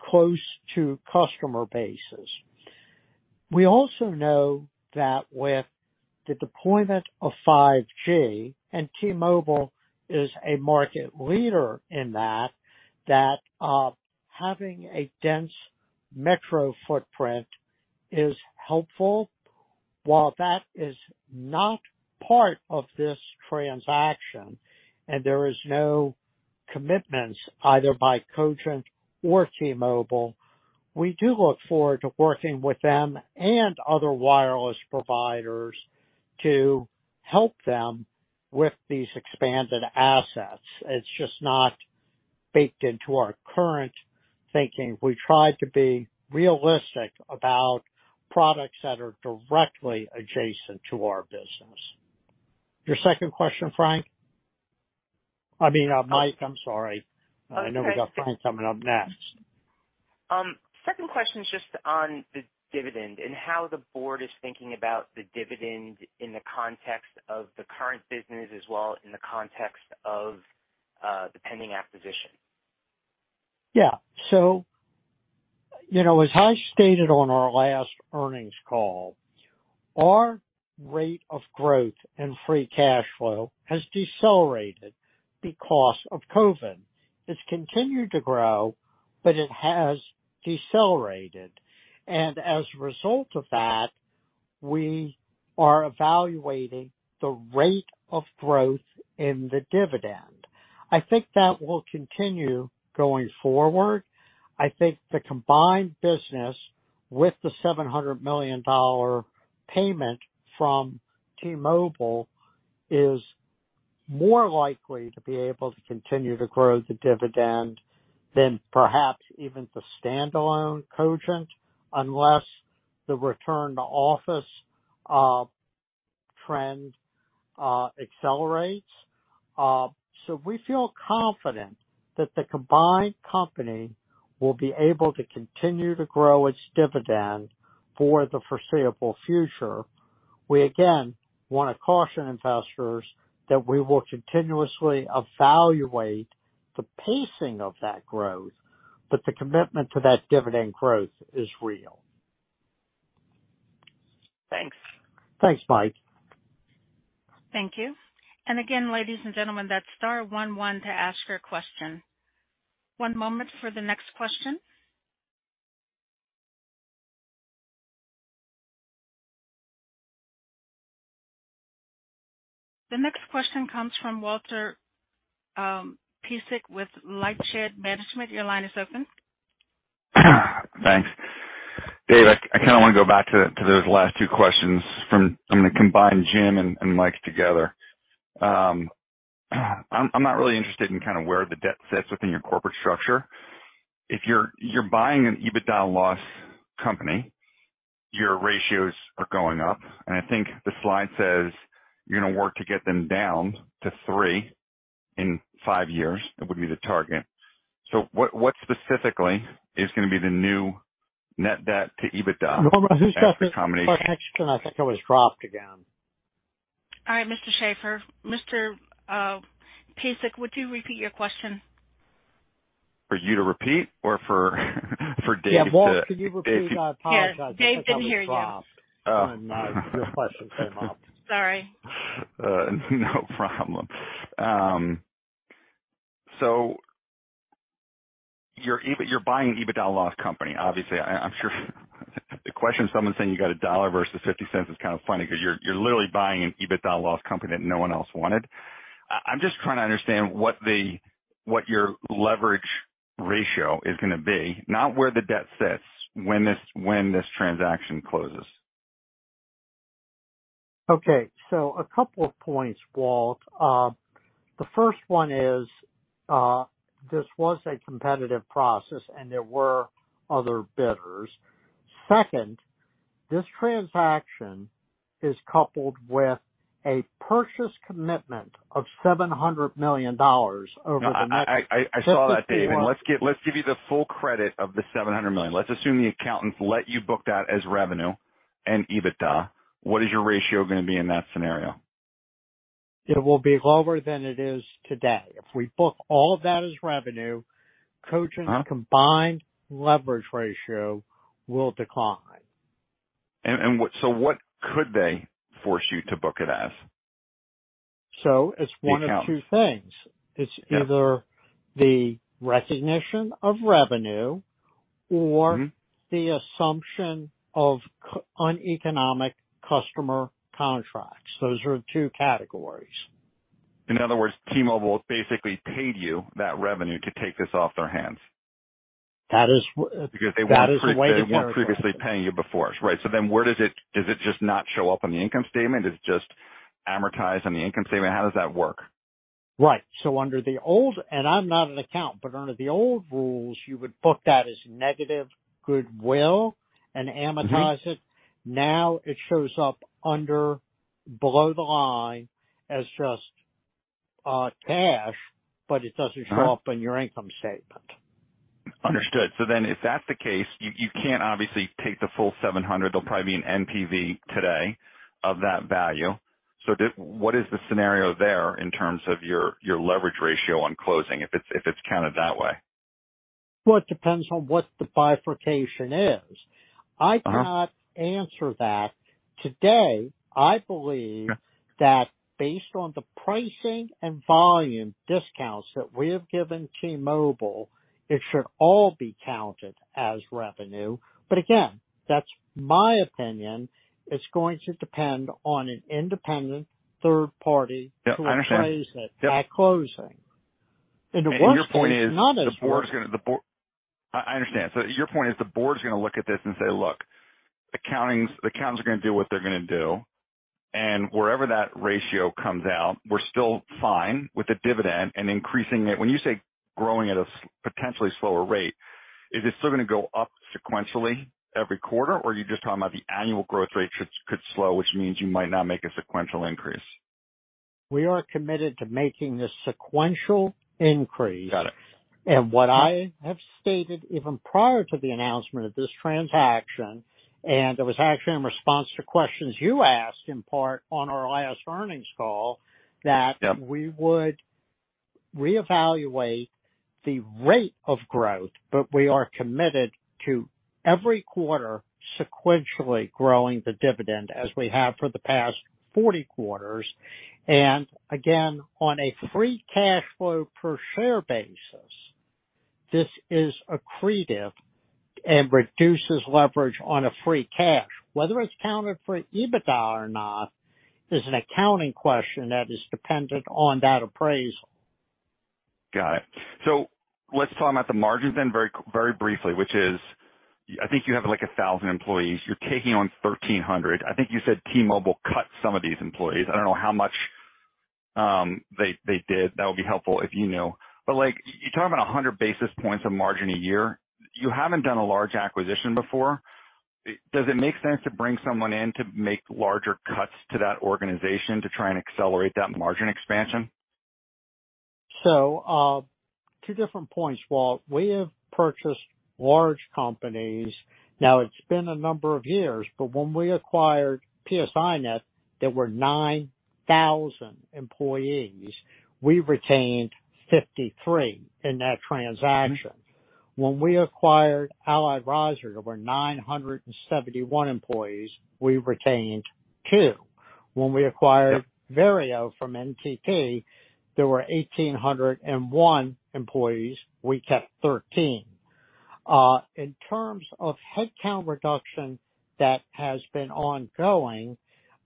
close to customer bases. We also know that with the deployment of 5G, and T-Mobile is a market leader in that, having a dense metro footprint is helpful. While that is not part of this transaction and there is no commitments either by Cogent or T-Mobile, we do look forward to working with them and other wireless providers to help them with these expanded assets. It's just not baked into our current thinking. We try to be realistic about products that are directly adjacent to our business. Your second question, Frank? I mean, Mike, I'm sorry. Oh. That's okay. I know we got Frank coming up next. Second question is just on the dividend and how the board is thinking about the dividend in the context of the current business as well in the context of the pending acquisition. Yeah. You know, as I stated on our last earnings call, our rate of growth and free cash flow has decelerated because of COVID. It's continued to grow, but it has decelerated. As a result of that, we are evaluating the rate of growth in the dividend. I think that will continue going forward. I think the combined business with the $700 million payment from T-Mobile is more likely to be able to continue to grow the dividend than perhaps even the standalone Cogent, unless the return to office trend accelerates. We feel confident that the combined company will be able to continue to grow its dividend for the foreseeable future. We again want to caution investors that we will continuously evaluate the pacing of that growth, but the commitment to that dividend growth is real. Thanks. Thanks, Mike. Thank you. Again, ladies and gentlemen, that's star one one to ask your question. One moment for the next question. The next question comes from Walter Piecyk with LightShed Partners. Your line is open. Thanks. Dave, I kinda wanna go back to those last two questions from the combined Jim and Mike together. I'm not really interested in kinda where the debt sits within your corporate structure. If you're buying an EBITDA loss company, your ratios are going up, and I think the slide says you're gonna work to get them down to three in five years. That would be the target. What specifically is gonna be the new net debt to EBITDA after the combination? Norma, who's asking the question? I think I was dropped again. All right, Mr. Schaeffer. Mr. Piecyk, would you repeat your question? For you to repeat or for Dave to- Yeah. Walter, could you repeat? I apologize. Yes. Dave couldn't hear you. I think I was dropped. Oh. when, your question came up. Sorry. No problem. So you're buying an EBITDA loss company, obviously. I'm sure the question someone's saying you got $1 versus $0.50 is kind of funny because you're literally buying an EBITDA loss company that no one else wanted. I'm just trying to understand what your leverage ratio is gonna be, not where the debt sits when this transaction closes. Okay. A couple of points, Walt. The first one is, this was a competitive process and there were other bidders. Second, this transaction is coupled with a purchase commitment of $700 million over the next- No, I saw that, Dave. Let's give you the full credit of the $700 million. Let's assume the accountants let you book that as revenue and EBITDA. What is your ratio gonna be in that scenario? It will be lower than it is today. If we book all of that as revenue, Cogent. Uh-huh. Combined leverage ratio will decline. What could they force you to book it as? It's one of two things. The account. It's either the recognition of revenue or. Mm-hmm. The assumption of non-economic customer contracts. Those are the two categories. In other words, T-Mobile basically paid you that revenue to take this off their hands. That is w- Because they weren't pre- That is one way to characterize it. They weren't previously paying you before. Right. Where does it? Does it just not show up on the income statement? Is it just amortized on the income statement? How does that work? Right. Under the old, and I'm not an accountant, but under the old rules, you would book that as negative goodwill and amortize it. Mm-hmm. Now it shows up below the line as just cash, but it doesn't show up. Uh-huh. On your income statement. Understood. If that's the case, you can't obviously take the full $700. There'll probably be an NPV today of that value. What is the scenario there in terms of your leverage ratio on closing if it's counted that way? Well, it depends on what the bifurcation is. Uh-huh. I cannot answer that today. I believe that based on the pricing and volume discounts that we have given T-Mobile, it should all be counted as revenue. Again, that's my opinion. It's going to depend on an independent third party. Yeah, I understand. to appraise it at closing. In the worst case scenario. I understand. Your point is the board's gonna look at this and say, "Look, accountants are gonna do what they're gonna do, and wherever that ratio comes out, we're still fine with the dividend and increasing it." When you say growing at a potentially slower rate, is this still gonna go up sequentially every quarter, or are you just talking about the annual growth rate should, could slow, which means you might not make a sequential increase? We are committed to making this sequential increase. Got it. What I have stated even prior to the announcement of this transaction, and it was actually in response to questions you asked in part on our last earnings call, that Yeah. We would reevaluate the rate of growth. We are committed to every quarter sequentially growing the dividend as we have for the past 40 quarters. Again, on a free cash flow per share basis, this is accretive and reduces leverage on a free cash. Whether it's counted for EBITDA or not is an accounting question that is dependent on that appraisal. Got it. Let's talk about the margins then very, very briefly, which is, I think you have, like, 1,000 employees. You're taking on 1,300. I think you said T-Mobile cut some of these employees. I don't know how much they did. That would be helpful if you know. Like, you talk about 100 basis points of margin a year. You haven't done a large acquisition before. Does it make sense to bring someone in to make larger cuts to that organization to try and accelerate that margin expansion? Two different points, Walter. We have purchased large companies. Now, it's been a number of years, but when we acquired PSINet, there were 9,000 employees. We retained 53 in that transaction. When we acquired Allied Riser, there were 971 employees. We retained two. When we acquired Verio from NTT, there were 1,801 employees. We kept 13. In terms of headcount reduction that has been ongoing,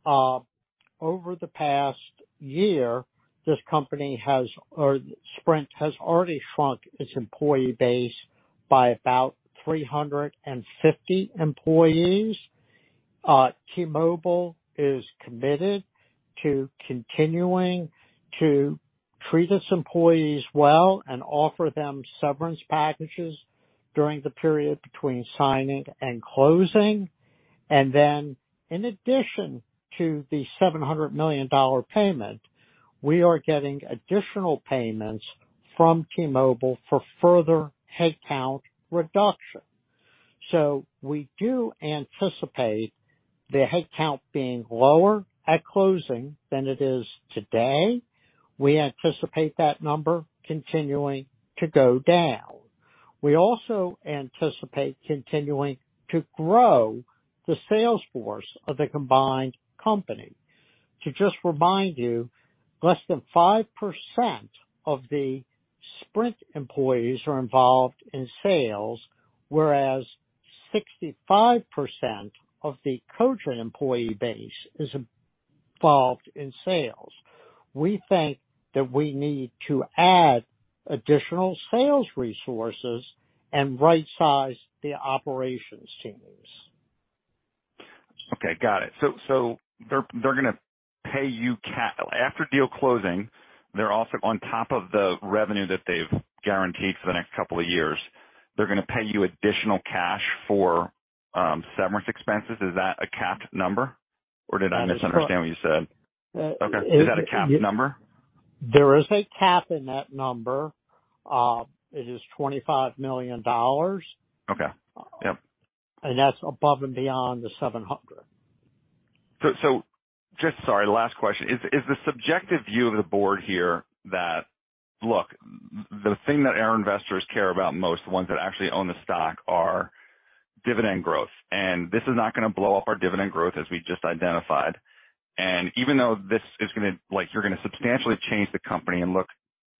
over the past year, Sprint has already shrunk its employee base by about 350 employees. T-Mobile is committed to continuing to treat its employees well and offer them severance packages during the period between signing and closing. In addition to the $700 million payment, we are getting additional payments from T-Mobile for further headcount reduction. We do anticipate the headcount being lower at closing than it is today. We anticipate that number continuing to go down. We also anticipate continuing to grow the sales force of the combined company. To just remind you, less than 5% of the Sprint employees are involved in sales, whereas 65% of the Cogent employee base is involved in sales. We think that we need to add additional sales resources and right-size the operations teams. Okay, got it. They're gonna pay you after deal closing, they're also on top of the revenue that they've guaranteed for the next couple of years. They're gonna pay you additional cash for severance expenses. Is that a capped number, or did I misunderstand what you said? Uh, it- Okay. Is that a capped number? There is a cap in that number. It is $25 million. Okay. Yep. That's above and beyond the $700. Sorry, last question. Is the subjective view of the board here that, look, the thing that our investors care about most, the ones that actually own the stock, are dividend growth. This is not gonna blow up our dividend growth as we just identified. Even though this is gonna like, you're gonna substantially change the company and look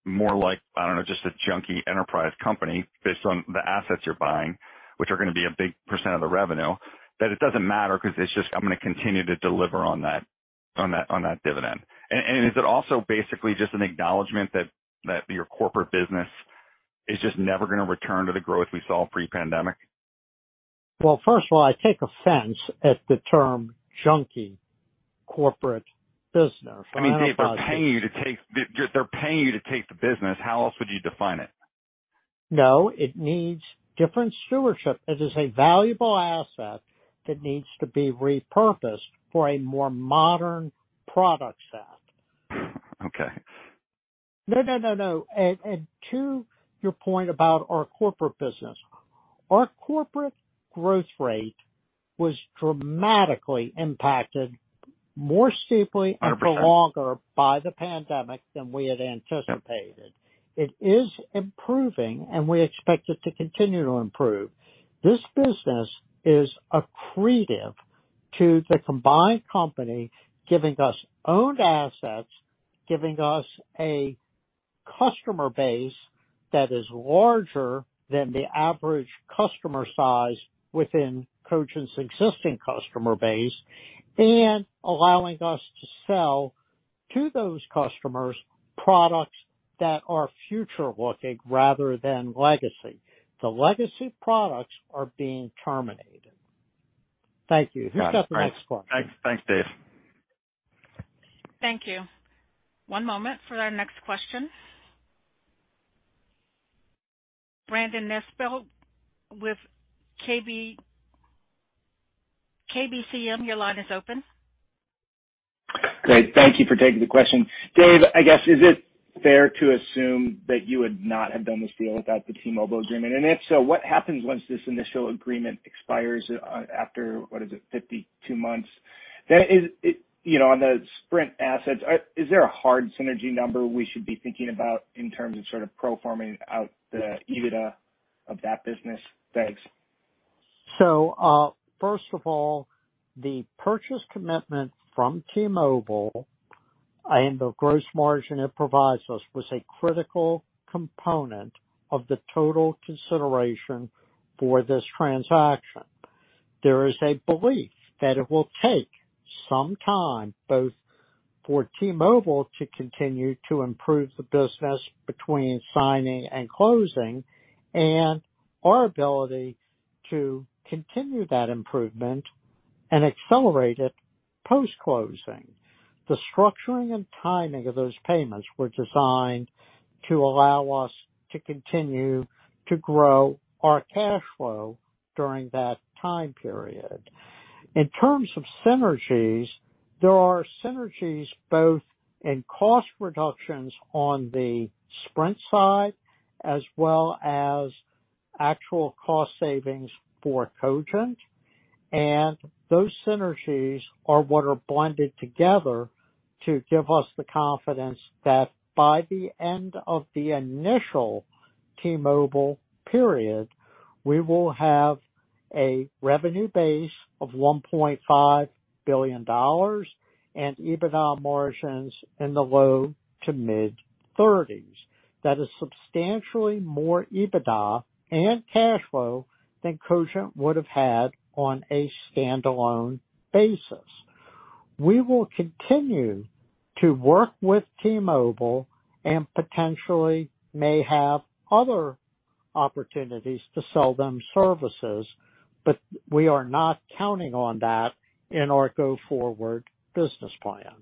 more like, I don't know, just a junky enterprise company based on the assets you're buying, which are gonna be a big percent of the revenue, that it doesn't matter because it's just, I'm gonna continue to deliver on that dividend. Is it also basically just an acknowledgement that your corporate business is just never gonna return to the growth we saw pre-pandemic? Well, first of all, I take offense at the term junky corporate business. I mean, Dave, they're paying you to take the business. How else would you define it? No, it needs different stewardship. It is a valuable asset that needs to be repurposed for a more modern product set. Okay. No, no, no. To your point about our corporate business, our corporate growth rate was dramatically impacted more steeply and for longer by the pandemic than we had anticipated. It is improving, and we expect it to continue to improve. This business is accretive to the combined company, giving us owned assets, giving us a customer base that is larger than the average customer size within Cogent's existing customer base, and allowing us to sell to those customers products that are future looking rather than legacy. The legacy products are being terminated. Thank you. Who's got the next question? Thanks. Thanks, Dave. Thank you. One moment for our next question. Brandon Nispel with KB, KBCM, your line is open. Great. Thank you for taking the question. Dave, I guess, is it fair to assume that you would not have done this deal without the T-Mobile agreement? If so, what happens once this initial agreement expires after, what is it, 52 months? Then is it on the Sprint assets, is there a hard synergy number we should be thinking about in terms of sort of pro forming out the EBITDA of that business? Thanks. First of all, the purchase commitment from T-Mobile and the gross margin it provides us was a critical component of the total consideration for this transaction. There is a belief that it will take some time both for T-Mobile to continue to improve the business between signing and closing, and our ability to continue that improvement and accelerate it post-closing. The structuring and timing of those payments were designed to allow us to continue to grow our cash flow during that time period. In terms of synergies, there are synergies both in cost reductions on the Sprint side as well as actual cost savings for Cogent. Those synergies are what are blended together to give us the confidence that by the end of the initial T-Mobile period, we will have a revenue base of $1.5 billion and EBITDA margins in the low-to-mid 30s. That is substantially more EBITDA and cash flow than Cogent would have had on a standalone basis. We will continue to work with T-Mobile and potentially may have other opportunities to sell them services, but we are not counting on that in our go-forward business plan.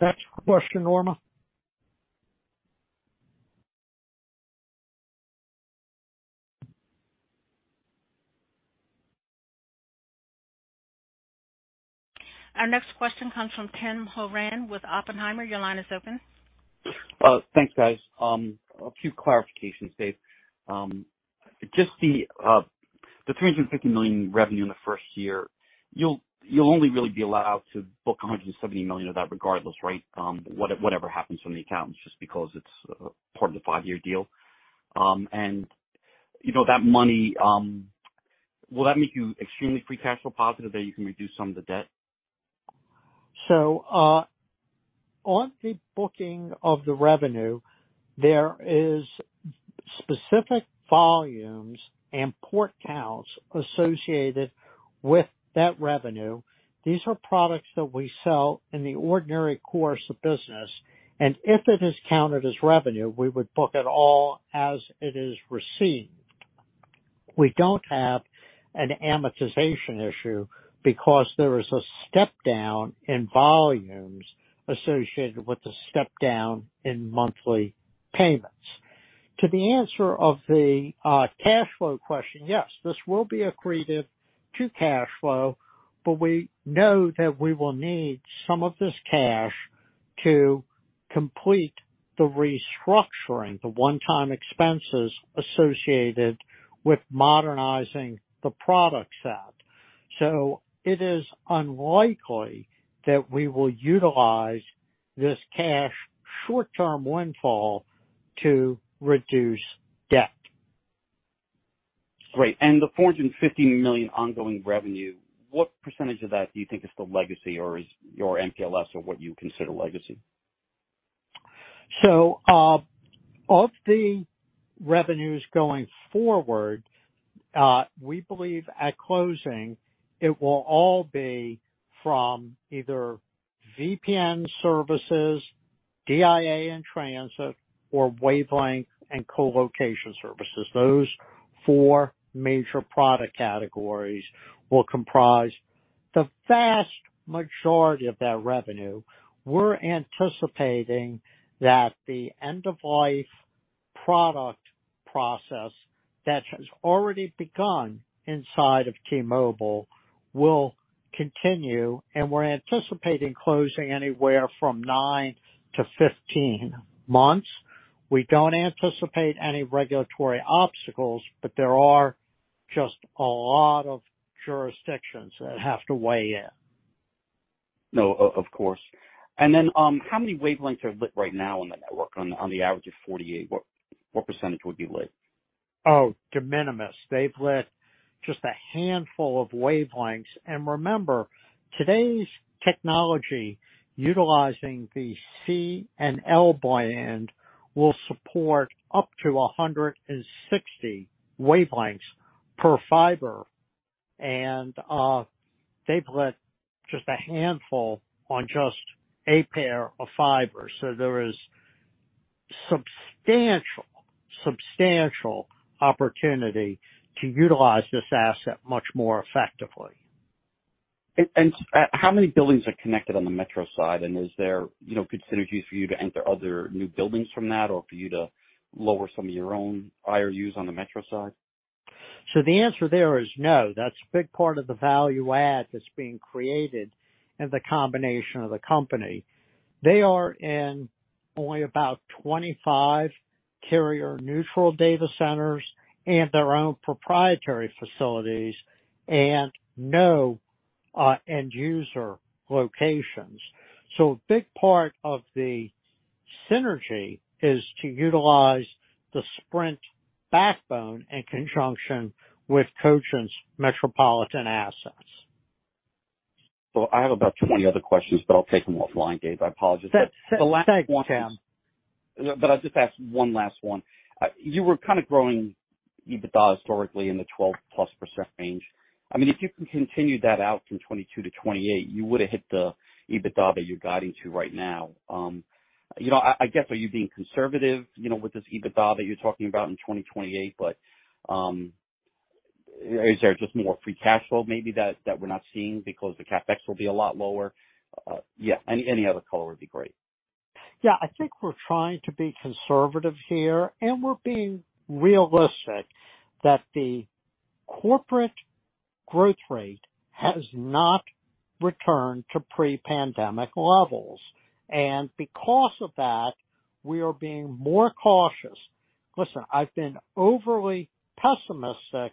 Next question, Norma. Our next question comes from Tim Horan with Oppenheimer. Your line is open. Thanks, guys. A few clarifications, Dave. Just the $350 million revenue in the first year, you'll only really be allowed to book $170 million of that regardless, right? Whatever happens from the accounts, just because it's part of the five-year deal. You know that money, will that make you extremely free cash flow positive that you can reduce some of the debt? On the booking of the revenue, there is specific volumes and port counts associated with that revenue. These are products that we sell in the ordinary course of business, and if it is counted as revenue, we would book it all as it is received. We don't have an amortization issue because there is a step down in volumes associated with the step down in monthly payments. To the answer of the cash flow question, yes, this will be accretive to cash flow, but we know that we will need some of this cash to complete the restructuring, the one-time expenses associated with modernizing the product set. It is unlikely that we will utilize this cash short-term windfall to reduce debt. Great. The $450 million ongoing revenue, what percentage of that do you think is the legacy or is your MPLS or what you consider legacy? Of the revenues going forward, we believe at closing it will all be from either VPN services, DIA and transit, or wavelength and colocation services. Those four major product categories will comprise the vast majority of that revenue. We're anticipating that the end of life product process that has already begun inside of T-Mobile will continue, and we're anticipating closing anywhere from nine-15 months. We don't anticipate any regulatory obstacles, but there are just a lot of jurisdictions that have to weigh in. No, of course. How many wavelengths are lit right now in the network on the average of 48? What percentage would be lit? Oh, de minimis. They've lit just a handful of wavelengths. Remember, today's technology, utilizing the C and L band will support up to 160 wavelengths per fiber. They've lit just a handful on just a pair of fibers. There is substantial opportunity to utilize this asset much more effectively. How many buildings are connected on the metro side, and is there, you know, good synergies for you to enter other new buildings from that or for you to lower some of your own IRUs on the metro side? The answer there is no. That's a big part of the value add that's being created in the combination of the company. They are in only about 25 carrier neutral data centers and their own proprietary facilities and no end user locations. A big part of the synergy is to utilize the Sprint backbone in conjunction with Cogent's metropolitan assets. I have about 20 other questions, but I'll take them offline, Dave. I apologize. That's fine, Sam. I'll just ask one last one. You were kind of growing EBITDA historically in the 12%+ range. I mean, if you can continue that out from 2022 to 2028, you would have hit the EBITDA that you're guiding to right now. You know, I guess, are you being conservative, you know, with this EBITDA that you're talking about in 2028, but, is there just more free cash flow maybe that we're not seeing because the CapEx will be a lot lower? Yeah, any other color would be great. Yeah. I think we're trying to be conservative here, and we're being realistic that the corporate growth rate has not returned to pre-pandemic levels. Because of that, we are being more cautious. Listen, I've been overly pessimistic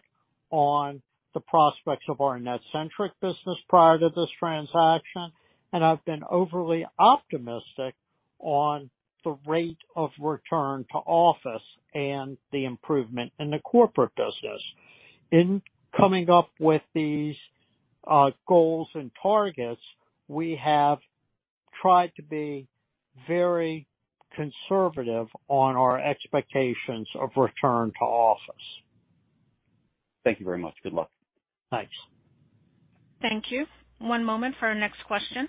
on the prospects of our NetCentric business prior to this transaction, and I've been overly optimistic on the rate of return to office and the improvement in the corporate business. In coming up with these goals and targets, we have tried to be very conservative on our expectations of return to office. Thank you very much. Good luck. Thanks. Thank you. One moment for our next question.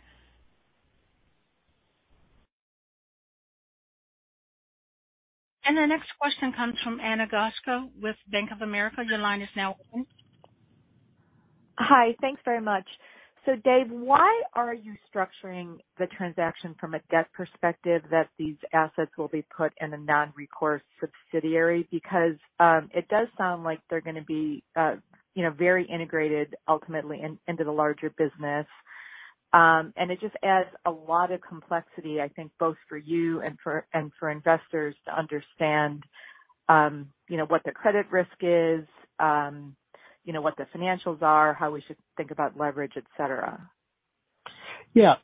The next question comes from Ana Goshko with Bank of America. Your line is now open. Hi. Thanks very much. Dave, why are you structuring the transaction from a debt perspective that these assets will be put in a non-recourse subsidiary? Because it does sound like they're gonna be, you know, very integrated ultimately into the larger business. And it just adds a lot of complexity, I think both for you and for investors to understand, you know, what the credit risk is, you know, what the financials are, how we should think about leverage, et cetera. Yeah.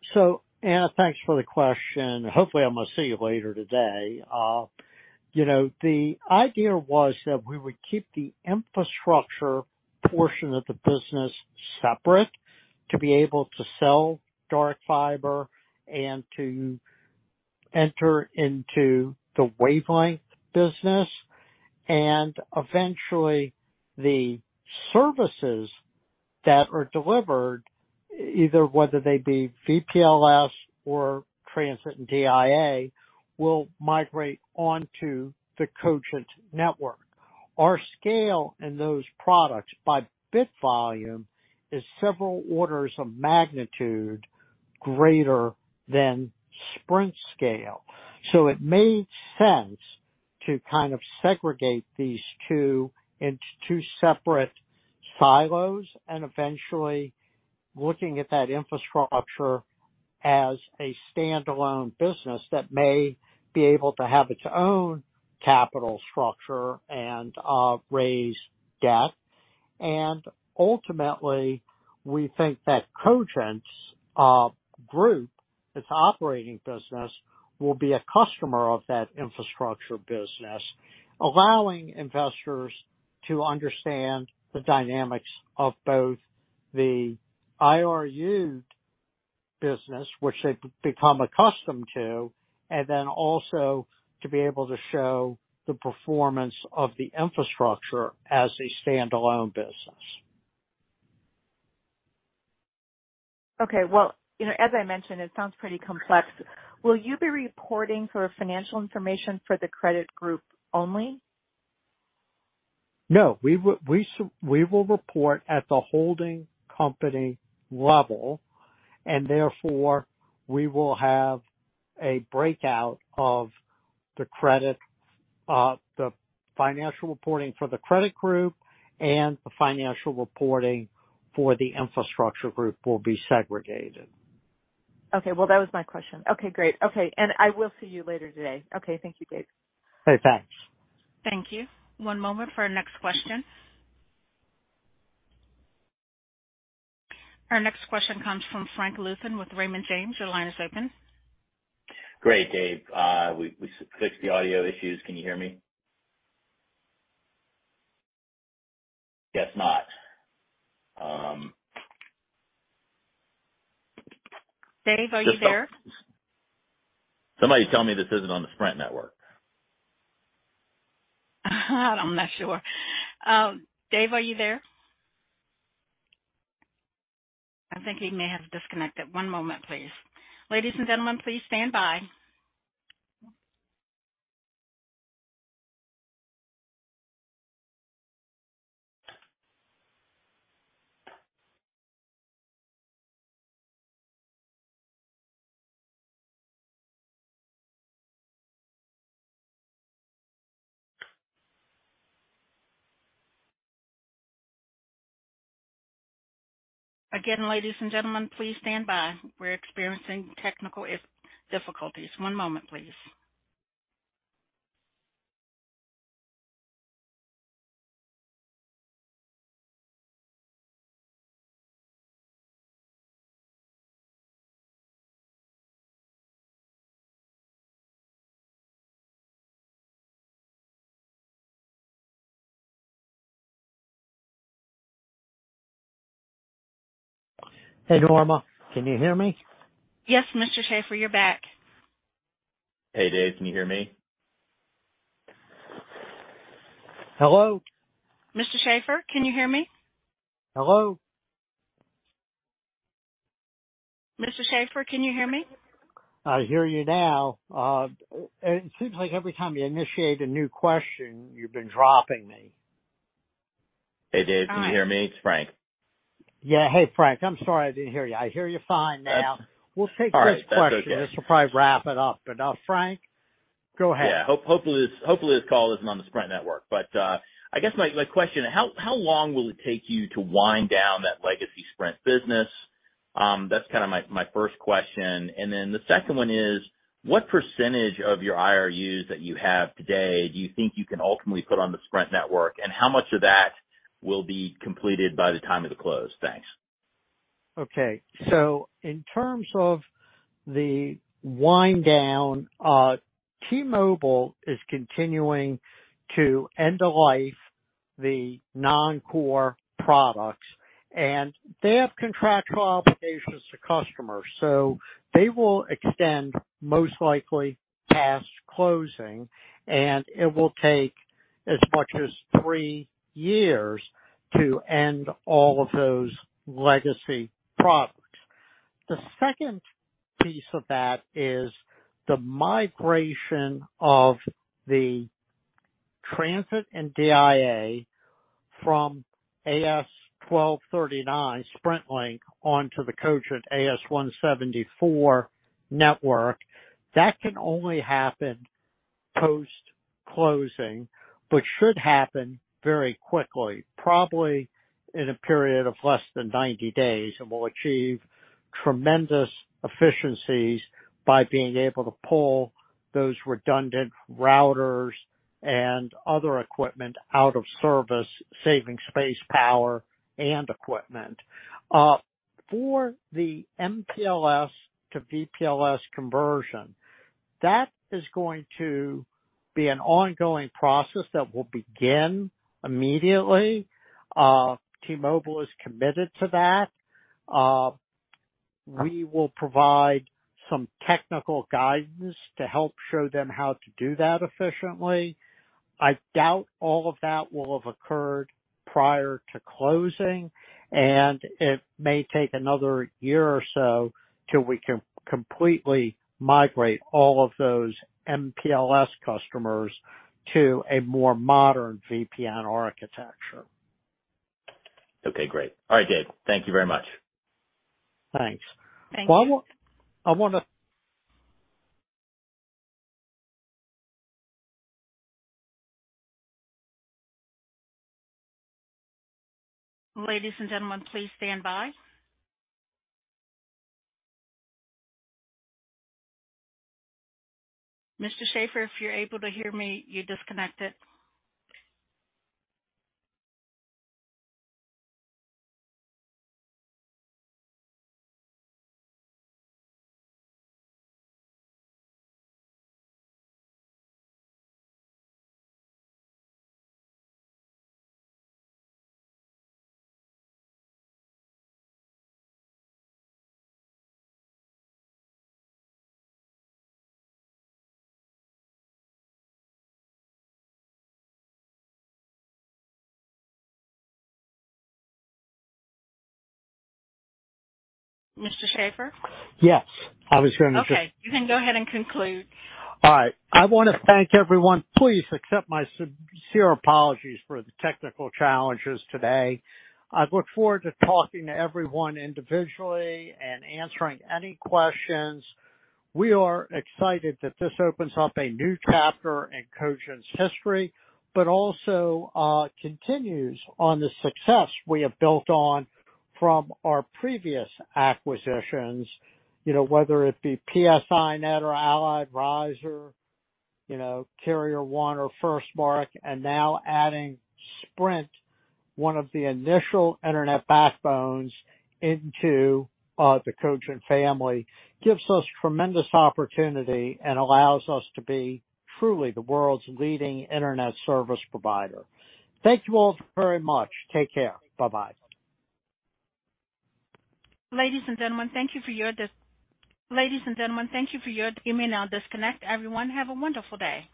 Ana, thanks for the question. Hopefully, I'm gonna see you later today. You know, the idea was that we would keep the infrastructure portion of the business separate to be able to sell dark fiber and to enter into the wavelength business. Eventually the services that are delivered, either whether they be VPLS or transit and DIA, will migrate onto the Cogent network. Our scale in those products by bit volume is several orders of magnitude greater than Sprint's scale. It made sense to kind of segregate these two into two separate silos and eventually looking at that infrastructure as a standalone business that may be able to have its own capital structure and raise debt. Ultimately, we think that Cogent's group, its operating business, will be a customer of that infrastructure business, allowing investors to understand the dynamics of both the IRU business which they've become accustomed to, and then also to be able to show the performance of the infrastructure as a standalone business. Okay. Well, you know, as I mentioned, it sounds pretty complex. Will you be reporting for financial information for the credit group only? No. We will report at the holding company level, and therefore we will have a breakout of the credit, the financial reporting for the credit group and the financial reporting for the infrastructure group will be segregated. Okay. Well, that was my question. Okay, great. Okay. I will see you later today. Okay. Thank you, Dave. Okay. Thanks. Thank you. One moment for our next question. Our next question comes from Frank Louthan with Raymond James. Your line is open. Great, Dave. We fixed the audio issues. Can you hear me? Guess not. Dave, are you there? Somebody's telling me this isn't on the Sprint network. I'm not sure. Dave, are you there? I think he may have disconnected. One moment, please. Ladies and gentlemen, please stand by. Again, ladies and gentlemen, please stand by. We're experiencing technical difficulties. One moment, please. Hey, Norma. Can you hear me? Yes, Mr. Schaeffer. You're back. Hey, Dave, can you hear me? Hello? Mr. Schaeffer, can you hear me? Hello. Mr. Schaeffer, can you hear me? I hear you now. It seems like every time you initiate a new question, you've been dropping me. Hey, Dave, can you hear me? It's Frank. Yeah. Hey, Frank. I'm sorry, I didn't hear you. I hear you fine now. That's all right. That's okay. We'll take this question. This will probably wrap it up. Frank, go ahead. Yeah. Hopefully this call isn't on the Sprint network, but I guess my question, how long will it take you to wind down that legacy Sprint business? That's kinda my first question. The second one is, what percentage of your IRUs that you have today do you think you can ultimately put on the Sprint network? How much of that will be completed by the time of the close? Thanks. Okay. In terms of the wind down, T-Mobile is continuing to end the life of the non-core products, and they have contractual obligations to customers, so they will extend, most likely, past closing, and it will take as much as three years to end all of those legacy products. The second piece of that is the migration of the transit and DIA from AS 1239 SprintLink onto the Cogent AS 174 network. That can only happen post-closing but should happen very quickly, probably in a period of less than 90 days, and will achieve tremendous efficiencies by being able to pull those redundant routers and other equipment out of service, saving space, power, and equipment. For the MPLS to VPLS conversion, that is going to be an ongoing process that will begin immediately. T-Mobile is committed to that. We will provide some technical guidance to help show them how to do that efficiently. I doubt all of that will have occurred prior to closing, and it may take another year or so till we can completely migrate all of those MPLS customers to a more modern VPN architecture. Okay, great. All right, Dave. Thank you very much. Thanks. Thank you. Well, I want to. Ladies and gentlemen, please stand by. Mr. Schaeffer, if you're able to hear me, you disconnected. Mr. Schaeffer? Yes, I was going to just. Okay, you can go ahead and conclude. All right. I want to thank everyone. Please accept my sincere apologies for the technical challenges today. I look forward to talking to everyone individually and answering any questions. We are excited that this opens up a new chapter in Cogent's history, but also continues on the success we have built on from our previous acquisitions. You know, whether it be PSINet or Allied Riser, you know, Carrier1 or FirstMark, and now adding Sprint, one of the initial Internet backbones, into the Cogent family gives us tremendous opportunity and allows us to be truly the world's leading Internet service provider. Thank you all very much. Take care. Bye-bye. Ladies and gentlemen, thank you for your participation. You may now disconnect everyone. Have a wonderful day.